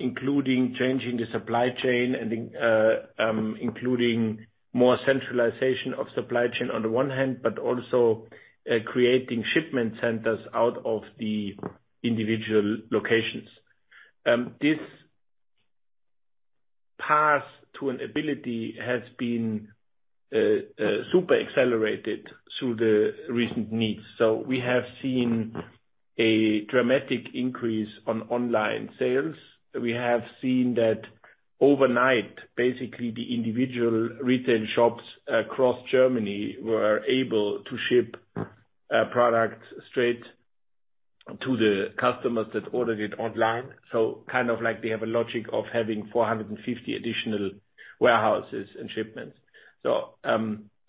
including changing the supply chain and including more centralization of supply chain on the one hand, but also creating shipment centers out of the individual locations. This path to viability has been super accelerated through the recent needs. We have seen a dramatic increase on online sales. We have seen that overnight, basically, the individual retail shops across Germany were able to ship products straight to the customers that ordered it online. Kind of like they have a logic of having 450 additional warehouses and shipments.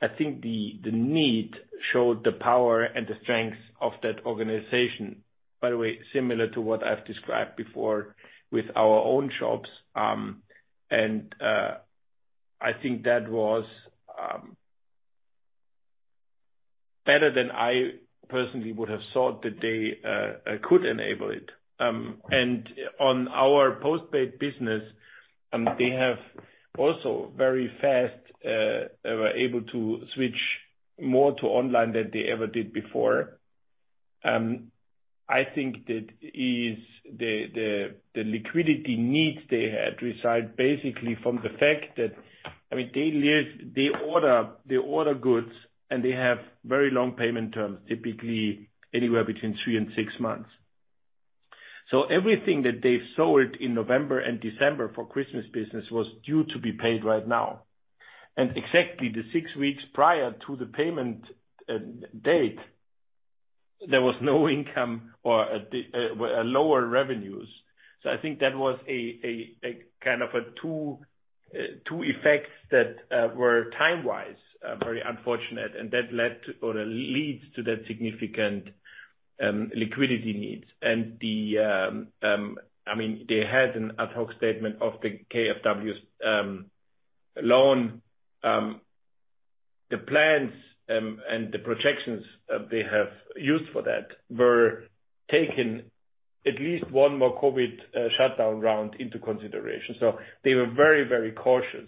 I think the need showed the power and the strength of that organization. By the way, similar to what I've described before with our own shops. I think that was better than I personally would have thought that they could enable it. On our postpaid business, they have also very fast, were able to switch more to online than they ever did before. I think that the liquidity needs they had reside basically from the fact that they order goods, and they have very long payment terms, typically anywhere between three and six months. Everything that they've sold in November and December for Christmas business was due to be paid right now. Exactly the six weeks prior to the payment date, there was no income or lower revenues. I think that was a kind of a two effects that were time-wise, very unfortunate, and that led or leads to that significant liquidity needs. They had an ad hoc statement of the KfW's loan. The plans, and the projections they have used for that were taken at least one more COVID shutdown round into consideration. They were very cautious,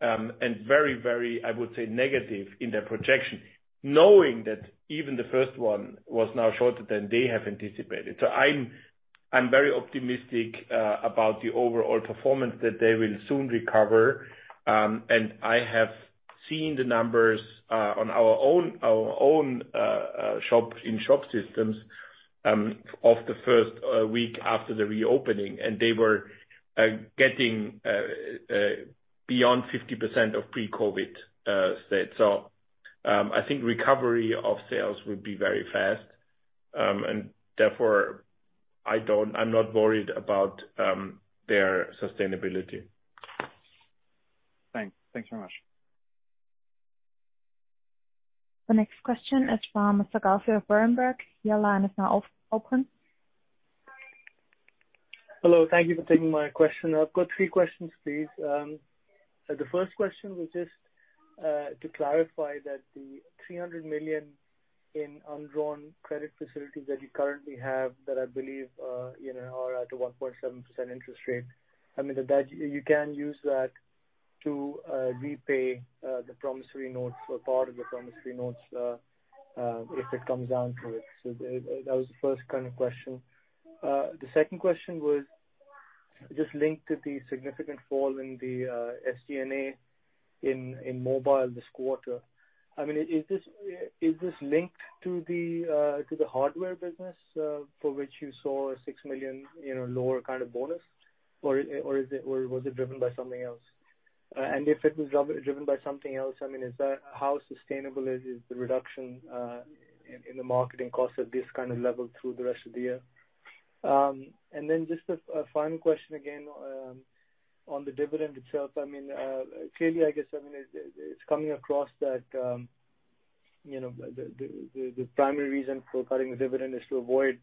and very, I would say, negative in their projection, knowing that even the first one was now shorter than they have anticipated. I'm very optimistic about the overall performance that they will soon recover. I have seen the numbers, on our own shop in shop systems of the first week after the reopening, they were getting beyond 50% of pre-COVID state. I think recovery of sales will be very fast, and therefore I'm not worried about their sustainability. Thanks very much. The next question is from Usman Ghazi of Berenberg. Your line is now open. Hello. Thank you for taking my question. I've got three questions, please. First question was just to clarify that the 300 million in undrawn credit facilities that you currently have, that I believe are at a 1.7% interest rate. You can use that to repay the promissory notes or part of the promissory notes, if it comes down to it. That was the first question. Second question was just linked to the significant fall in the SG&A in mobile this quarter. Is this linked to the hardware business for which you saw a 6 million lower bonus or was it driven by something else? If it was driven by something else, how sustainable is the reduction in the marketing cost at this kind of level through the rest of the year? Just a final question again, on the dividend itself. Clearly, I guess, it's coming across that the primary reason for cutting the dividend is to avoid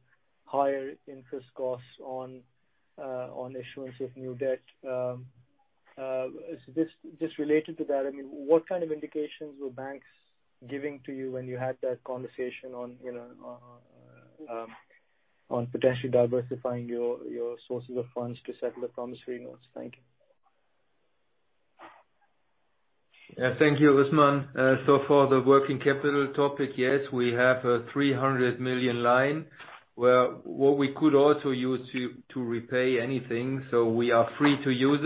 higher interest costs on issuance of new debt. Just related to that, what kind of indications were banks giving to you when you had that conversation on potentially diversifying your sources of funds to settle the promissory notes? Thank you. Thank you, Usman. For the working capital topic, yes, we have a 300 million line, where what we could also use to repay anything, so we are free to use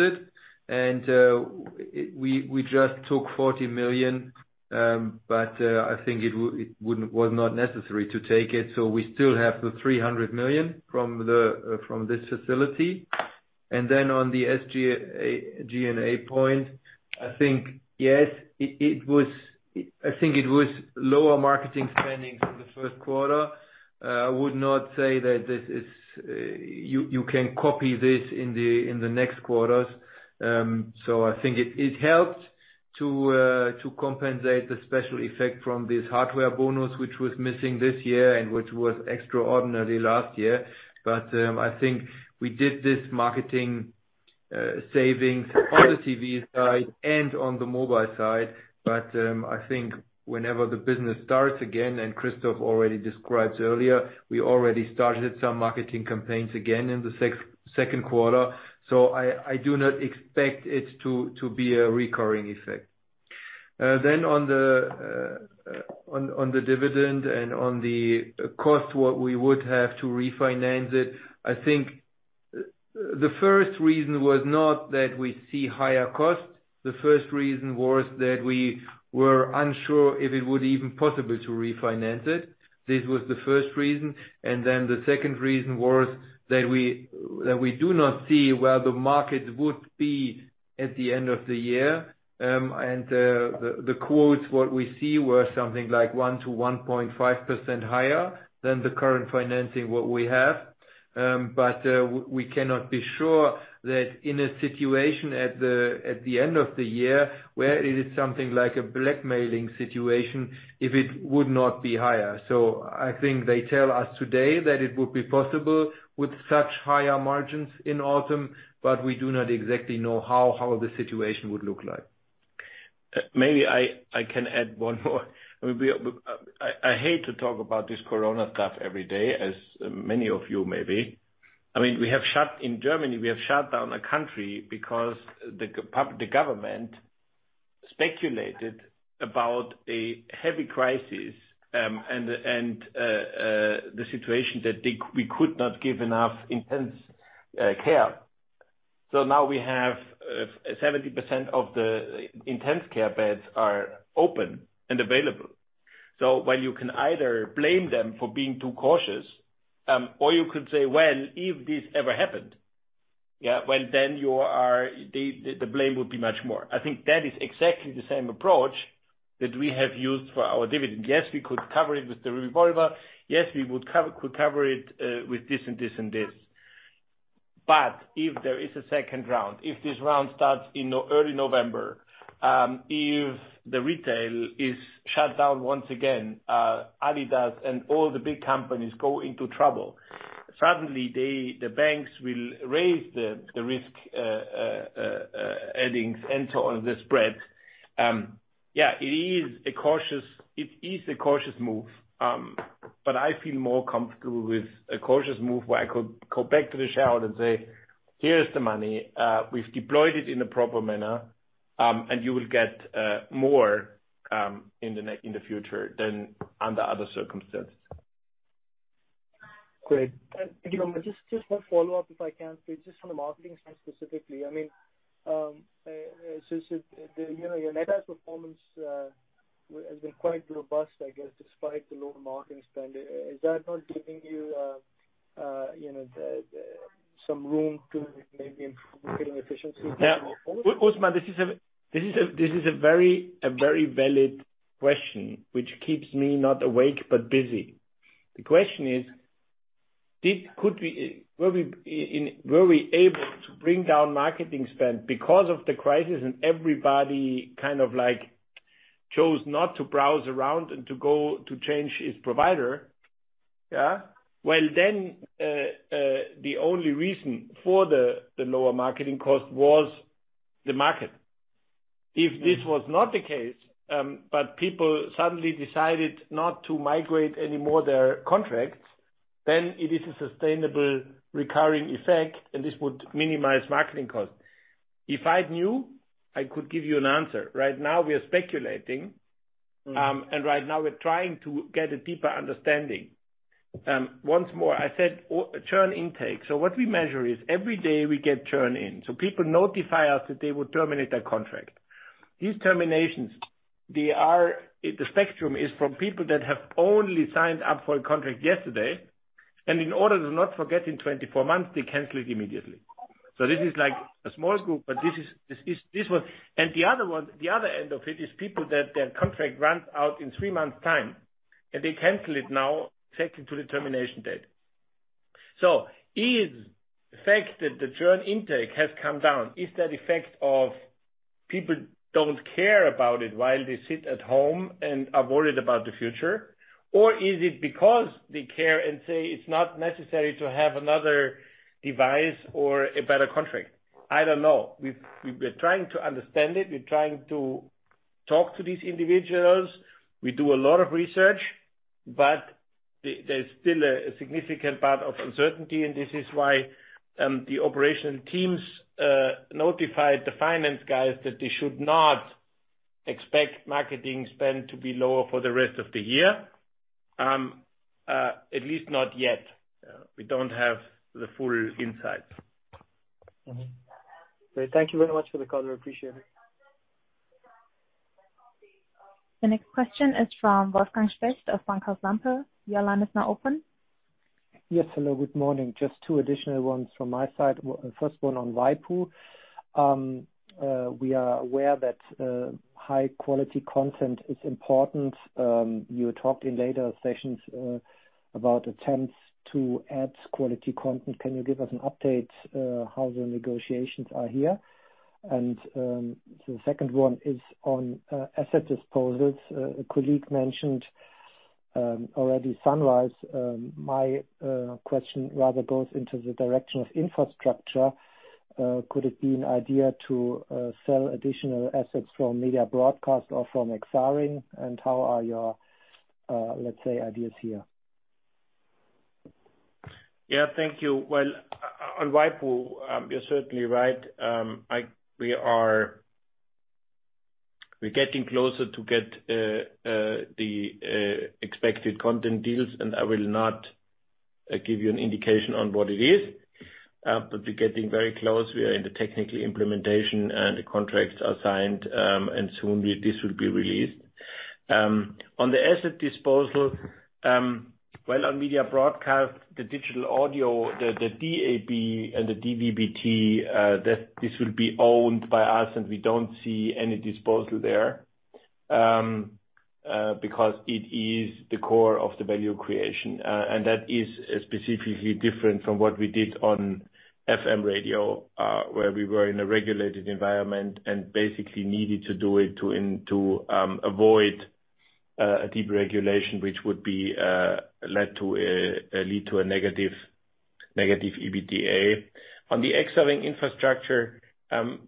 it. We just took 40 million, but I think it was not necessary to take it. We still have the 300 million from this facility. Then on the SG&A point, I think, yes, I think it was lower marketing spendings in the first quarter. I would not say that you can copy this in the next quarters. I think it helped to compensate the special effect from this hardware bonus, which was missing this year and which was extraordinary last year. I think we did this marketing savings on the TV side and on the mobile side. I think whenever the business starts again, and Christoph already described earlier, we already started some marketing campaigns again in the second quarter. I do not expect it to be a recurring effect. On the dividend and on the cost, what we would have to refinance it, I think the first reason was not that we see higher costs. The first reason was that we were unsure if it would even possible to refinance it. This was the first reason. The second reason was that we do not see where the market would be at the end of the year. The quotes, what we see, were something like 1%-1.5% higher than the current financing, what we have. We cannot be sure that in a situation at the end of the year, where it is something like a blackmailing situation, if it would not be higher. I think they tell us today that it would be possible with such higher margins in autumn, but we do not exactly know how the situation would look like. Maybe I can add one more. I hate to talk about this Corona stuff every day, as many of you may be. In Germany, we have shut down a country because the government speculated about a heavy crisis, and the situation that we could not give enough intensive care. Now we have 70% of the intensive care beds are open and available. While you can either blame them for being too cautious, or you could say, well, if this ever happened, well, then the blame would be much more. I think that is exactly the same approach that we have used for our dividend. Yes, we could cover it with the revolver. Yes, we could cover it with this and this and this. If there is a second round, if this round starts in early November, if the retail is shut down once again, Adidas and all the big companies go into trouble. The banks will raise the risk weightings and so on the spread. It is a cautious move, but I feel more comfortable with a cautious move where I could go back to the shareholder and say, "Here's the money. We've deployed it in a proper manner, and you will get more in the future than under other circumstances. Great. Thank you. Just one follow-up, if I can. Just from the marketing side specifically. Your net adds performance has been quite robust, I guess, despite the low marketing spend. Is that not giving you some room to maybe improve getting efficiency? Yeah. Usman, this is a very valid question, which keeps me not awake, but busy. The question is, were we able to bring down marketing spend because of the crisis and everybody kind of chose not to browse around and to go to change its provider? Yeah. Well, the only reason for the lower marketing cost was the market. If this was not the case, but people suddenly decided not to migrate any more of their contracts, then it is a sustainable recurring effect, and this would minimize marketing costs. If I knew, I could give you an answer. Right now, we are speculating. Right now, we're trying to get a deeper understanding. Once more, I said churn intake. What we measure is every day we get churn in. People notify us that they will terminate their contract. These terminations, the spectrum is from people that have only signed up for a contract yesterday, and in order to not forget in 24 months, they cancel it immediately. This is a small group. The other end of it is people that their contract runs out in three months time, and they cancel it now, taking to the termination date. Is the fact that the churn intake has come down, is that effect of people don't care about it while they sit at home and are worried about the future? Or is it because they care and say it's not necessary to have another device or a better contract? I don't know. We're trying to understand it. We're trying to talk to these individuals. We do a lot of research, but there's still a significant part of uncertainty, and this is why the operational teams notified the finance guys that they should not expect marketing spend to be lower for the rest of the year. At least not yet. We don't have the full insights. Thank you very much for the call. We appreciate it. The next question is from Wolfgang Specht of Bankhaus Lampe. Your line is now open. Yes. Hello, good morning. Just two additional ones from my side. First one on waipu. We are aware that high-quality content is important. You talked in later sessions about attempts to add quality content. Can you give us an update how the negotiations are here? The second one is on asset disposals. A colleague mentioned already Sunrise. My question rather goes into the direction of infrastructure. Could it be an idea to sell additional assets from Media Broadcast or from Exaring? How are your, let's say, ideas here? Yeah, thank you. Well, on waipu, you're certainly right. We're getting closer to get the expected content deals, and I will not give you an indication on what it is. We're getting very close. We are in the technical implementation, and the contracts are signed. Soon this will be released. On the asset disposal, well, on Media Broadcast, the digital audio, the DAB and the DVB-T, this will be owned by us, and we don't see any disposal there, because it is the core of the value creation. That is specifically different from what we did on FM radio, where we were in a regulated environment and basically needed to do it to avoid a deep regulation, which would lead to a negative EBITDA. On the Exaring infrastructure,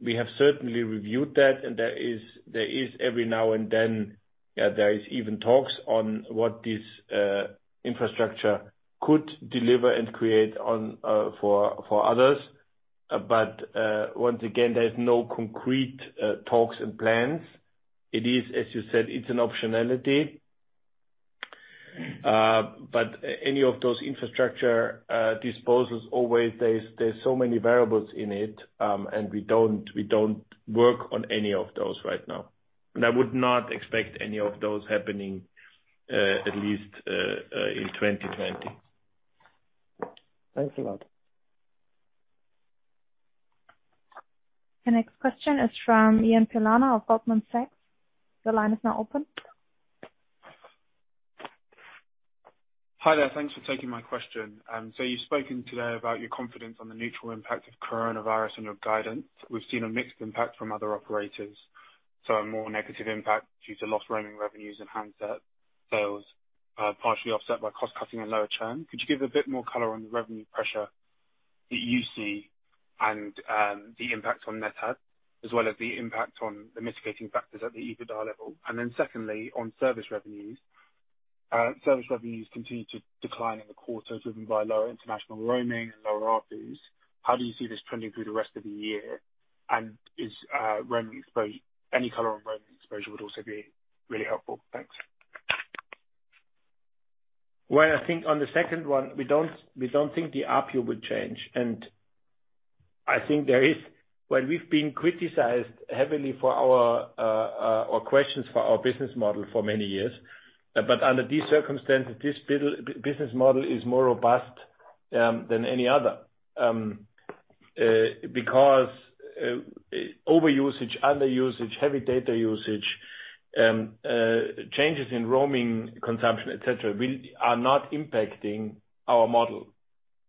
we have certainly reviewed that, and there is every now and then, there is even talks on what this infrastructure could deliver and create for others. Once again, there's no concrete talks and plans. It is, as you said, it's an optionality. Any of those infrastructure disposals, always there's so many variables in it, and we don't work on any of those right now. I would not expect any of those happening at least in 2020. Thanks a lot. The next question is from Ian Pilana of Goldman Sachs. Your line is now open. Hi there. Thanks for taking my question. You've spoken today about your confidence on the neutral impact of coronavirus on your guidance. We've seen a mixed impact from other operators. A more negative impact due to lost roaming revenues and handset sales, partially offset by cost-cutting and lower churn. Could you give a bit more color on the revenue pressure that you see and the impact on net add, as well as the impact on the mitigating factors at the EBITDA level? Secondly, on service revenues. Service revenues continue to decline in the quarter, driven by lower international roaming and lower ARPU. How do you see this trending through the rest of the year? Any color on roaming exposure would also be really helpful. Thanks. I think on the second one, we don't think the ARPU would change. I think there is, well, we've been criticized heavily for our questions for our business model for many years. Under these circumstances, this business model is more robust than any other. Over usage, under usage, heavy data usage, changes in roaming consumption, etc, are not impacting our model.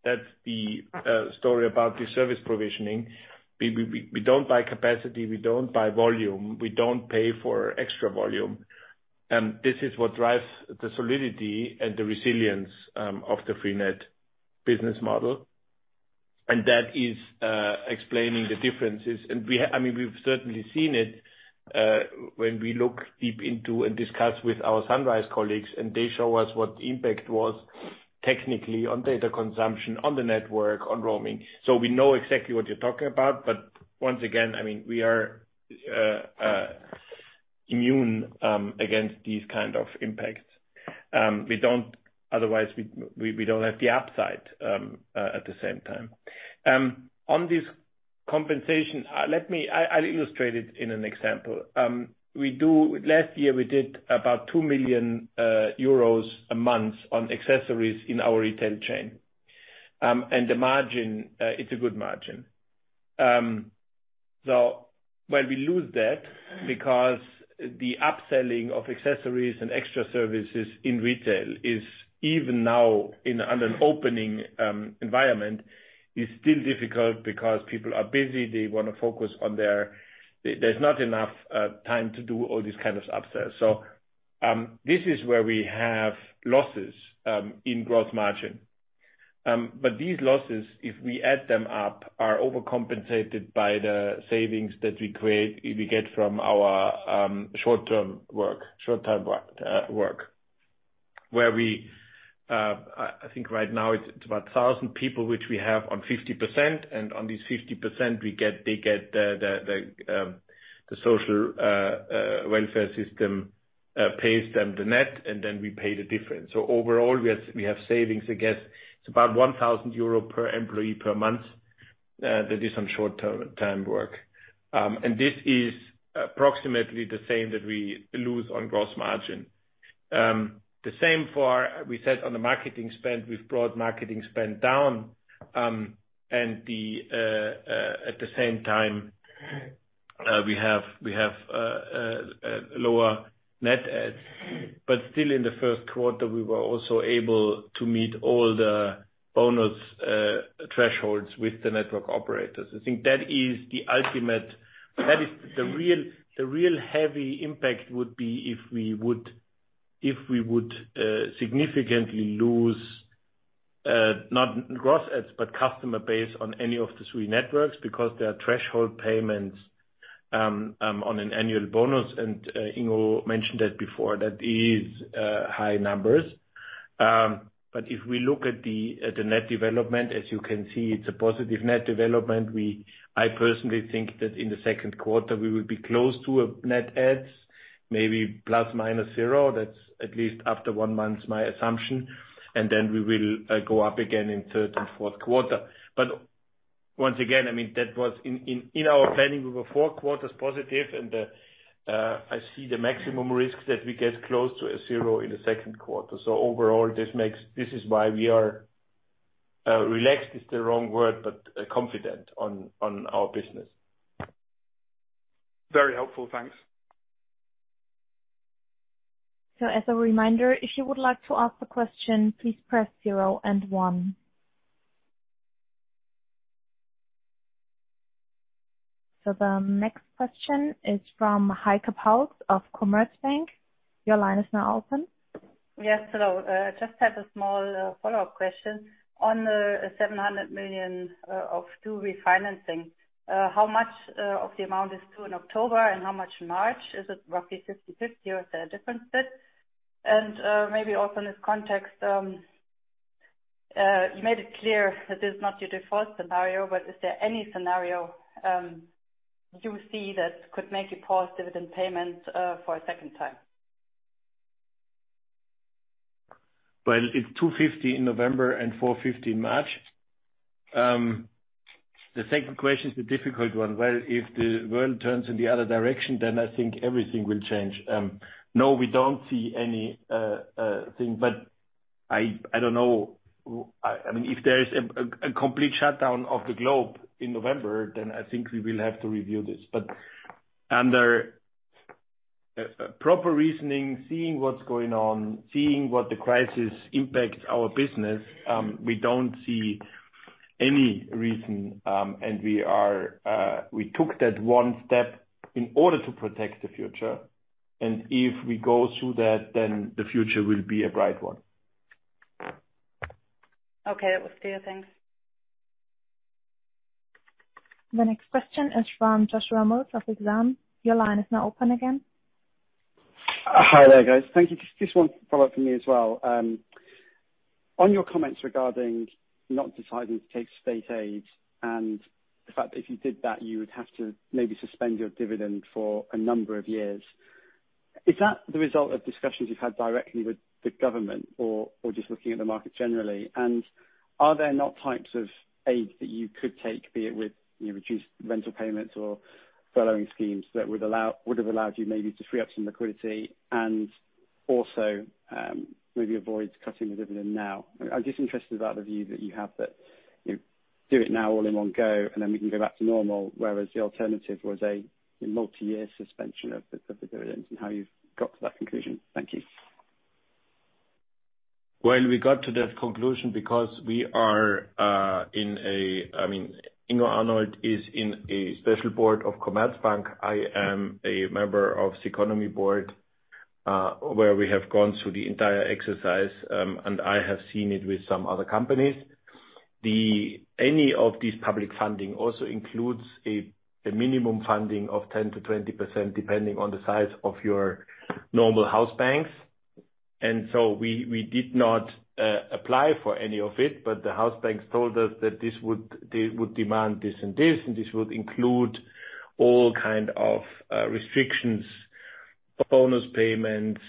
That's the story about the service provisioning. We don't buy capacity. We don't buy volume. We don't pay for extra volume. This is what drives the solidity and the resilience of the freenet business model. That is explaining the differences. We've certainly seen it when we look deep into and discuss with our Sunrise colleagues, and they show us what the impact was technically on data consumption, on the network, on roaming. We know exactly what you're talking about. Once again, we are immune against these kind of impacts. Otherwise, we don't have the upside at the same time. On this compensation, I'll illustrate it in an example. Last year we did about 2 million euros a month on accessories in our retail chain. The margin, it's a good margin. While we lose that because the upselling of accessories and extra services in retail is even now in an opening environment, is still difficult because people are busy. There's not enough time to do all these kind of upsells. This is where we have losses, in gross margin. These losses, if we add them up, are overcompensated by the savings that we get from our short-term work. Where we, I think right now it's about 1,000 people, which we have on 50%, on this 50%, they get the social welfare system pays them the net, then we pay the difference. Overall, we have savings. I guess it is about 1,000 euro per employee per month. That is on short-term work. This is approximately the same that we lose on gross margin. The same for, we said on the marketing spend, we've brought marketing spend down, and at the same time, we have lower net adds. Still in the first quarter, we were also able to meet all the bonus thresholds with the network operators. I think that is the ultimate. The real heavy impact would be if we would significantly lose, not gross adds, but customer base on any of the three networks because there are threshold payments on an annual bonus. Ingo mentioned that before. That is high numbers. If we look at the net development, as you can see, it's a positive net development. I personally think that in the second quarter, we will be close to a net adds, maybe ±0. That's at least after one month, my assumption. We will go up again in third and fourth quarter. Once again, that was in our planning. We were four quarters positive and I see the maximum risks that we get close to a zero in the second quarter. Overall, this is why we are, relaxed is the wrong word, but confident on our business. Very helpful. Thanks. As a reminder, if you would like to ask a question, please press zero and one. The next question is from Heike Pauls of Commerzbank. Your line is now open. Yes, hello. Just have a small follow-up question on the 700 million O2 refinancing. How much of the amount is due in October and how much March? Is it roughly 50/50, or is there a different split? Maybe also in this context, you made it clear that this is not your default scenario, but is there any scenario you see that could make you pause dividend payments for a second time? Well, it's 250 in November and 450 in March. The second question is the difficult one. Well, if the world turns in the other direction, I think everything will change. No, we don't see anything, I don't know. If there's a complete shutdown of the globe in November, I think we will have to review this. Under proper reasoning, seeing what's going on, seeing what the crisis impacts our business, we don't see any reason. We took that one step in order to protect the future. If we go through that, the future will be a bright one. Okay. That was clear. Thanks. The next question is from Joshua Mills of Exane. Your line is now open again. Hi there, guys. Thank you. Just one follow-up from me as well. On your comments regarding not deciding to take state aid and the fact that if you did that, you would have to maybe suspend your dividend for a number of years. Is that the result of discussions you've had directly with the government or just looking at the market generally? Are there no types of aid that you could take, be it with reduced rental payments or furloughing schemes that would have allowed you maybe to free up some liquidity and also, maybe avoid cutting the dividend now? I'm just interested about the view that you have that you do it now all in one go, and then we can go back to normal, whereas the alternative was a multi-year suspension of the dividends and how you've got to that conclusion. Thank you. Well, we got to that conclusion because Ingo Arnold is in a special board of Commerzbank. I am a member of Ceconomy board, where we have gone through the entire exercise, and I have seen it with some other companies. Any of this public funding also includes a minimum funding of 10%-20%, depending on the size of your normal house banks. We did not apply for any of it, but the house banks told us that this would demand this and this, and this would include all kind of restrictions, bonus payments,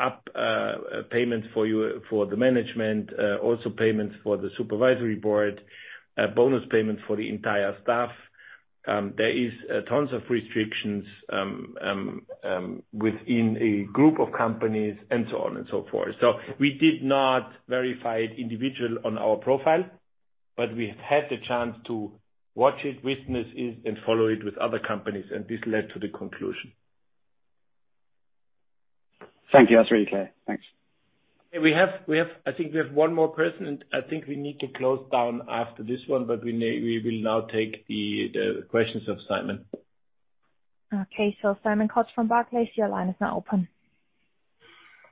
up payments for the management, also payments for the supervisory board, bonus payments for the entire staff. There is tons of restrictions within a group of companies and so on and so forth. We did not verify it individually on our profile, but we have had the chance to watch it, witness it, and follow it with other companies, and this led to the conclusion. Thank you. That's really clear. Thanks. I think we have one more person, and I think we need to close down after this one, but we will now take the questions of Simon. Okay. Simon Cox from Barclays, your line is now open.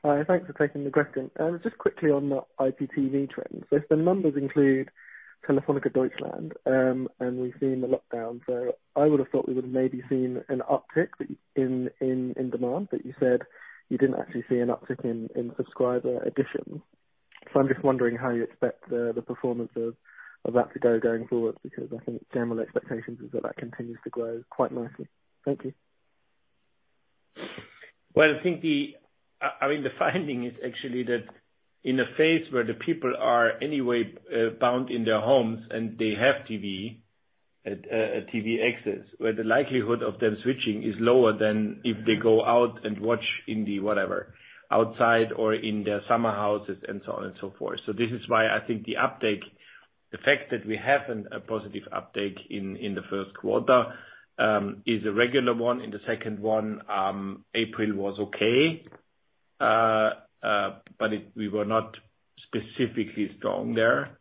Hi. Thanks for taking the question. Just quickly on the IPTV trends. If the numbers include Telefónica Deutschland, and we've seen the lockdown, I would've thought we would've maybe seen an uptick in demand, you said you didn't actually see an uptick in subscriber additions. I'm just wondering how you expect the performance of that to go going forward, because I think general expectations is that that continues to grow quite nicely. Thank you. Well, I think the finding is actually that in a phase where the people are anyway bound in their homes and they have TV access, where the likelihood of them switching is lower than if they go out and watch in the whatever. Outside or in their summer houses and so on and so forth. This is why I think the uptake, the fact that we have a positive uptake in the first quarter, is a regular one. In the second one, April was okay, but we were not specifically strong there.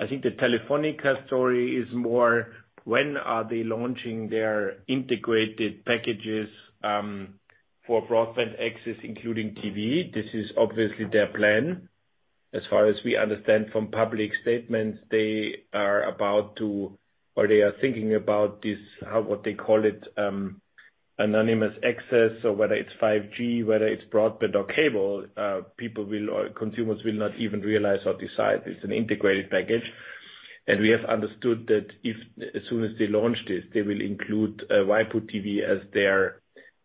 I think the Telefónica story is more when are they launching their integrated packages, for broadband access, including TV? This is obviously their plan. As far as we understand from public statements, they are about to, or they are thinking about this, what they call it, agnostic access or whether it's 5G, whether it's broadband or cable, people will or consumers will not even realize or decide it's an integrated package. We have understood that as soon as they launch this, they will include waipu.tv as their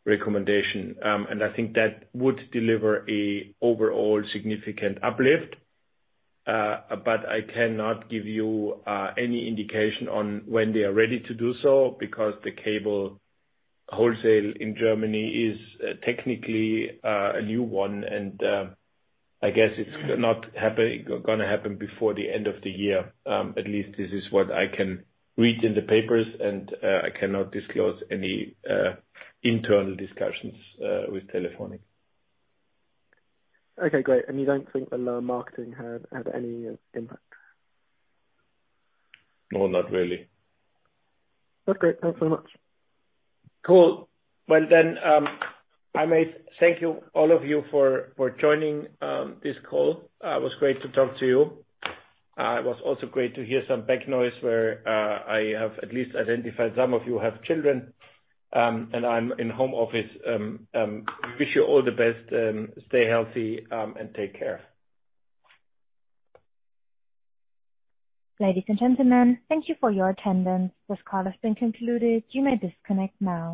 recommendation. I think that would deliver an overall significant uplift. I cannot give you any indication on when they are ready to do so because the cable wholesale in Germany is technically a new one. I guess it's not going to happen before the end of the year. At least this is what I can read in the papers, and I cannot disclose any internal discussions with Telefónica. Okay, great. You don't think the low marketing had any impact? No, not really. That's great. Thanks very much. Cool. Well, I may thank you all of you for joining this call. It was great to talk to you. It was also great to hear some back noise where I have at least identified some of you have children, and I'm in home office. We wish you all the best, stay healthy, and take care. Ladies and gentlemen, thank you for your attendance. This call has been concluded. You may disconnect now.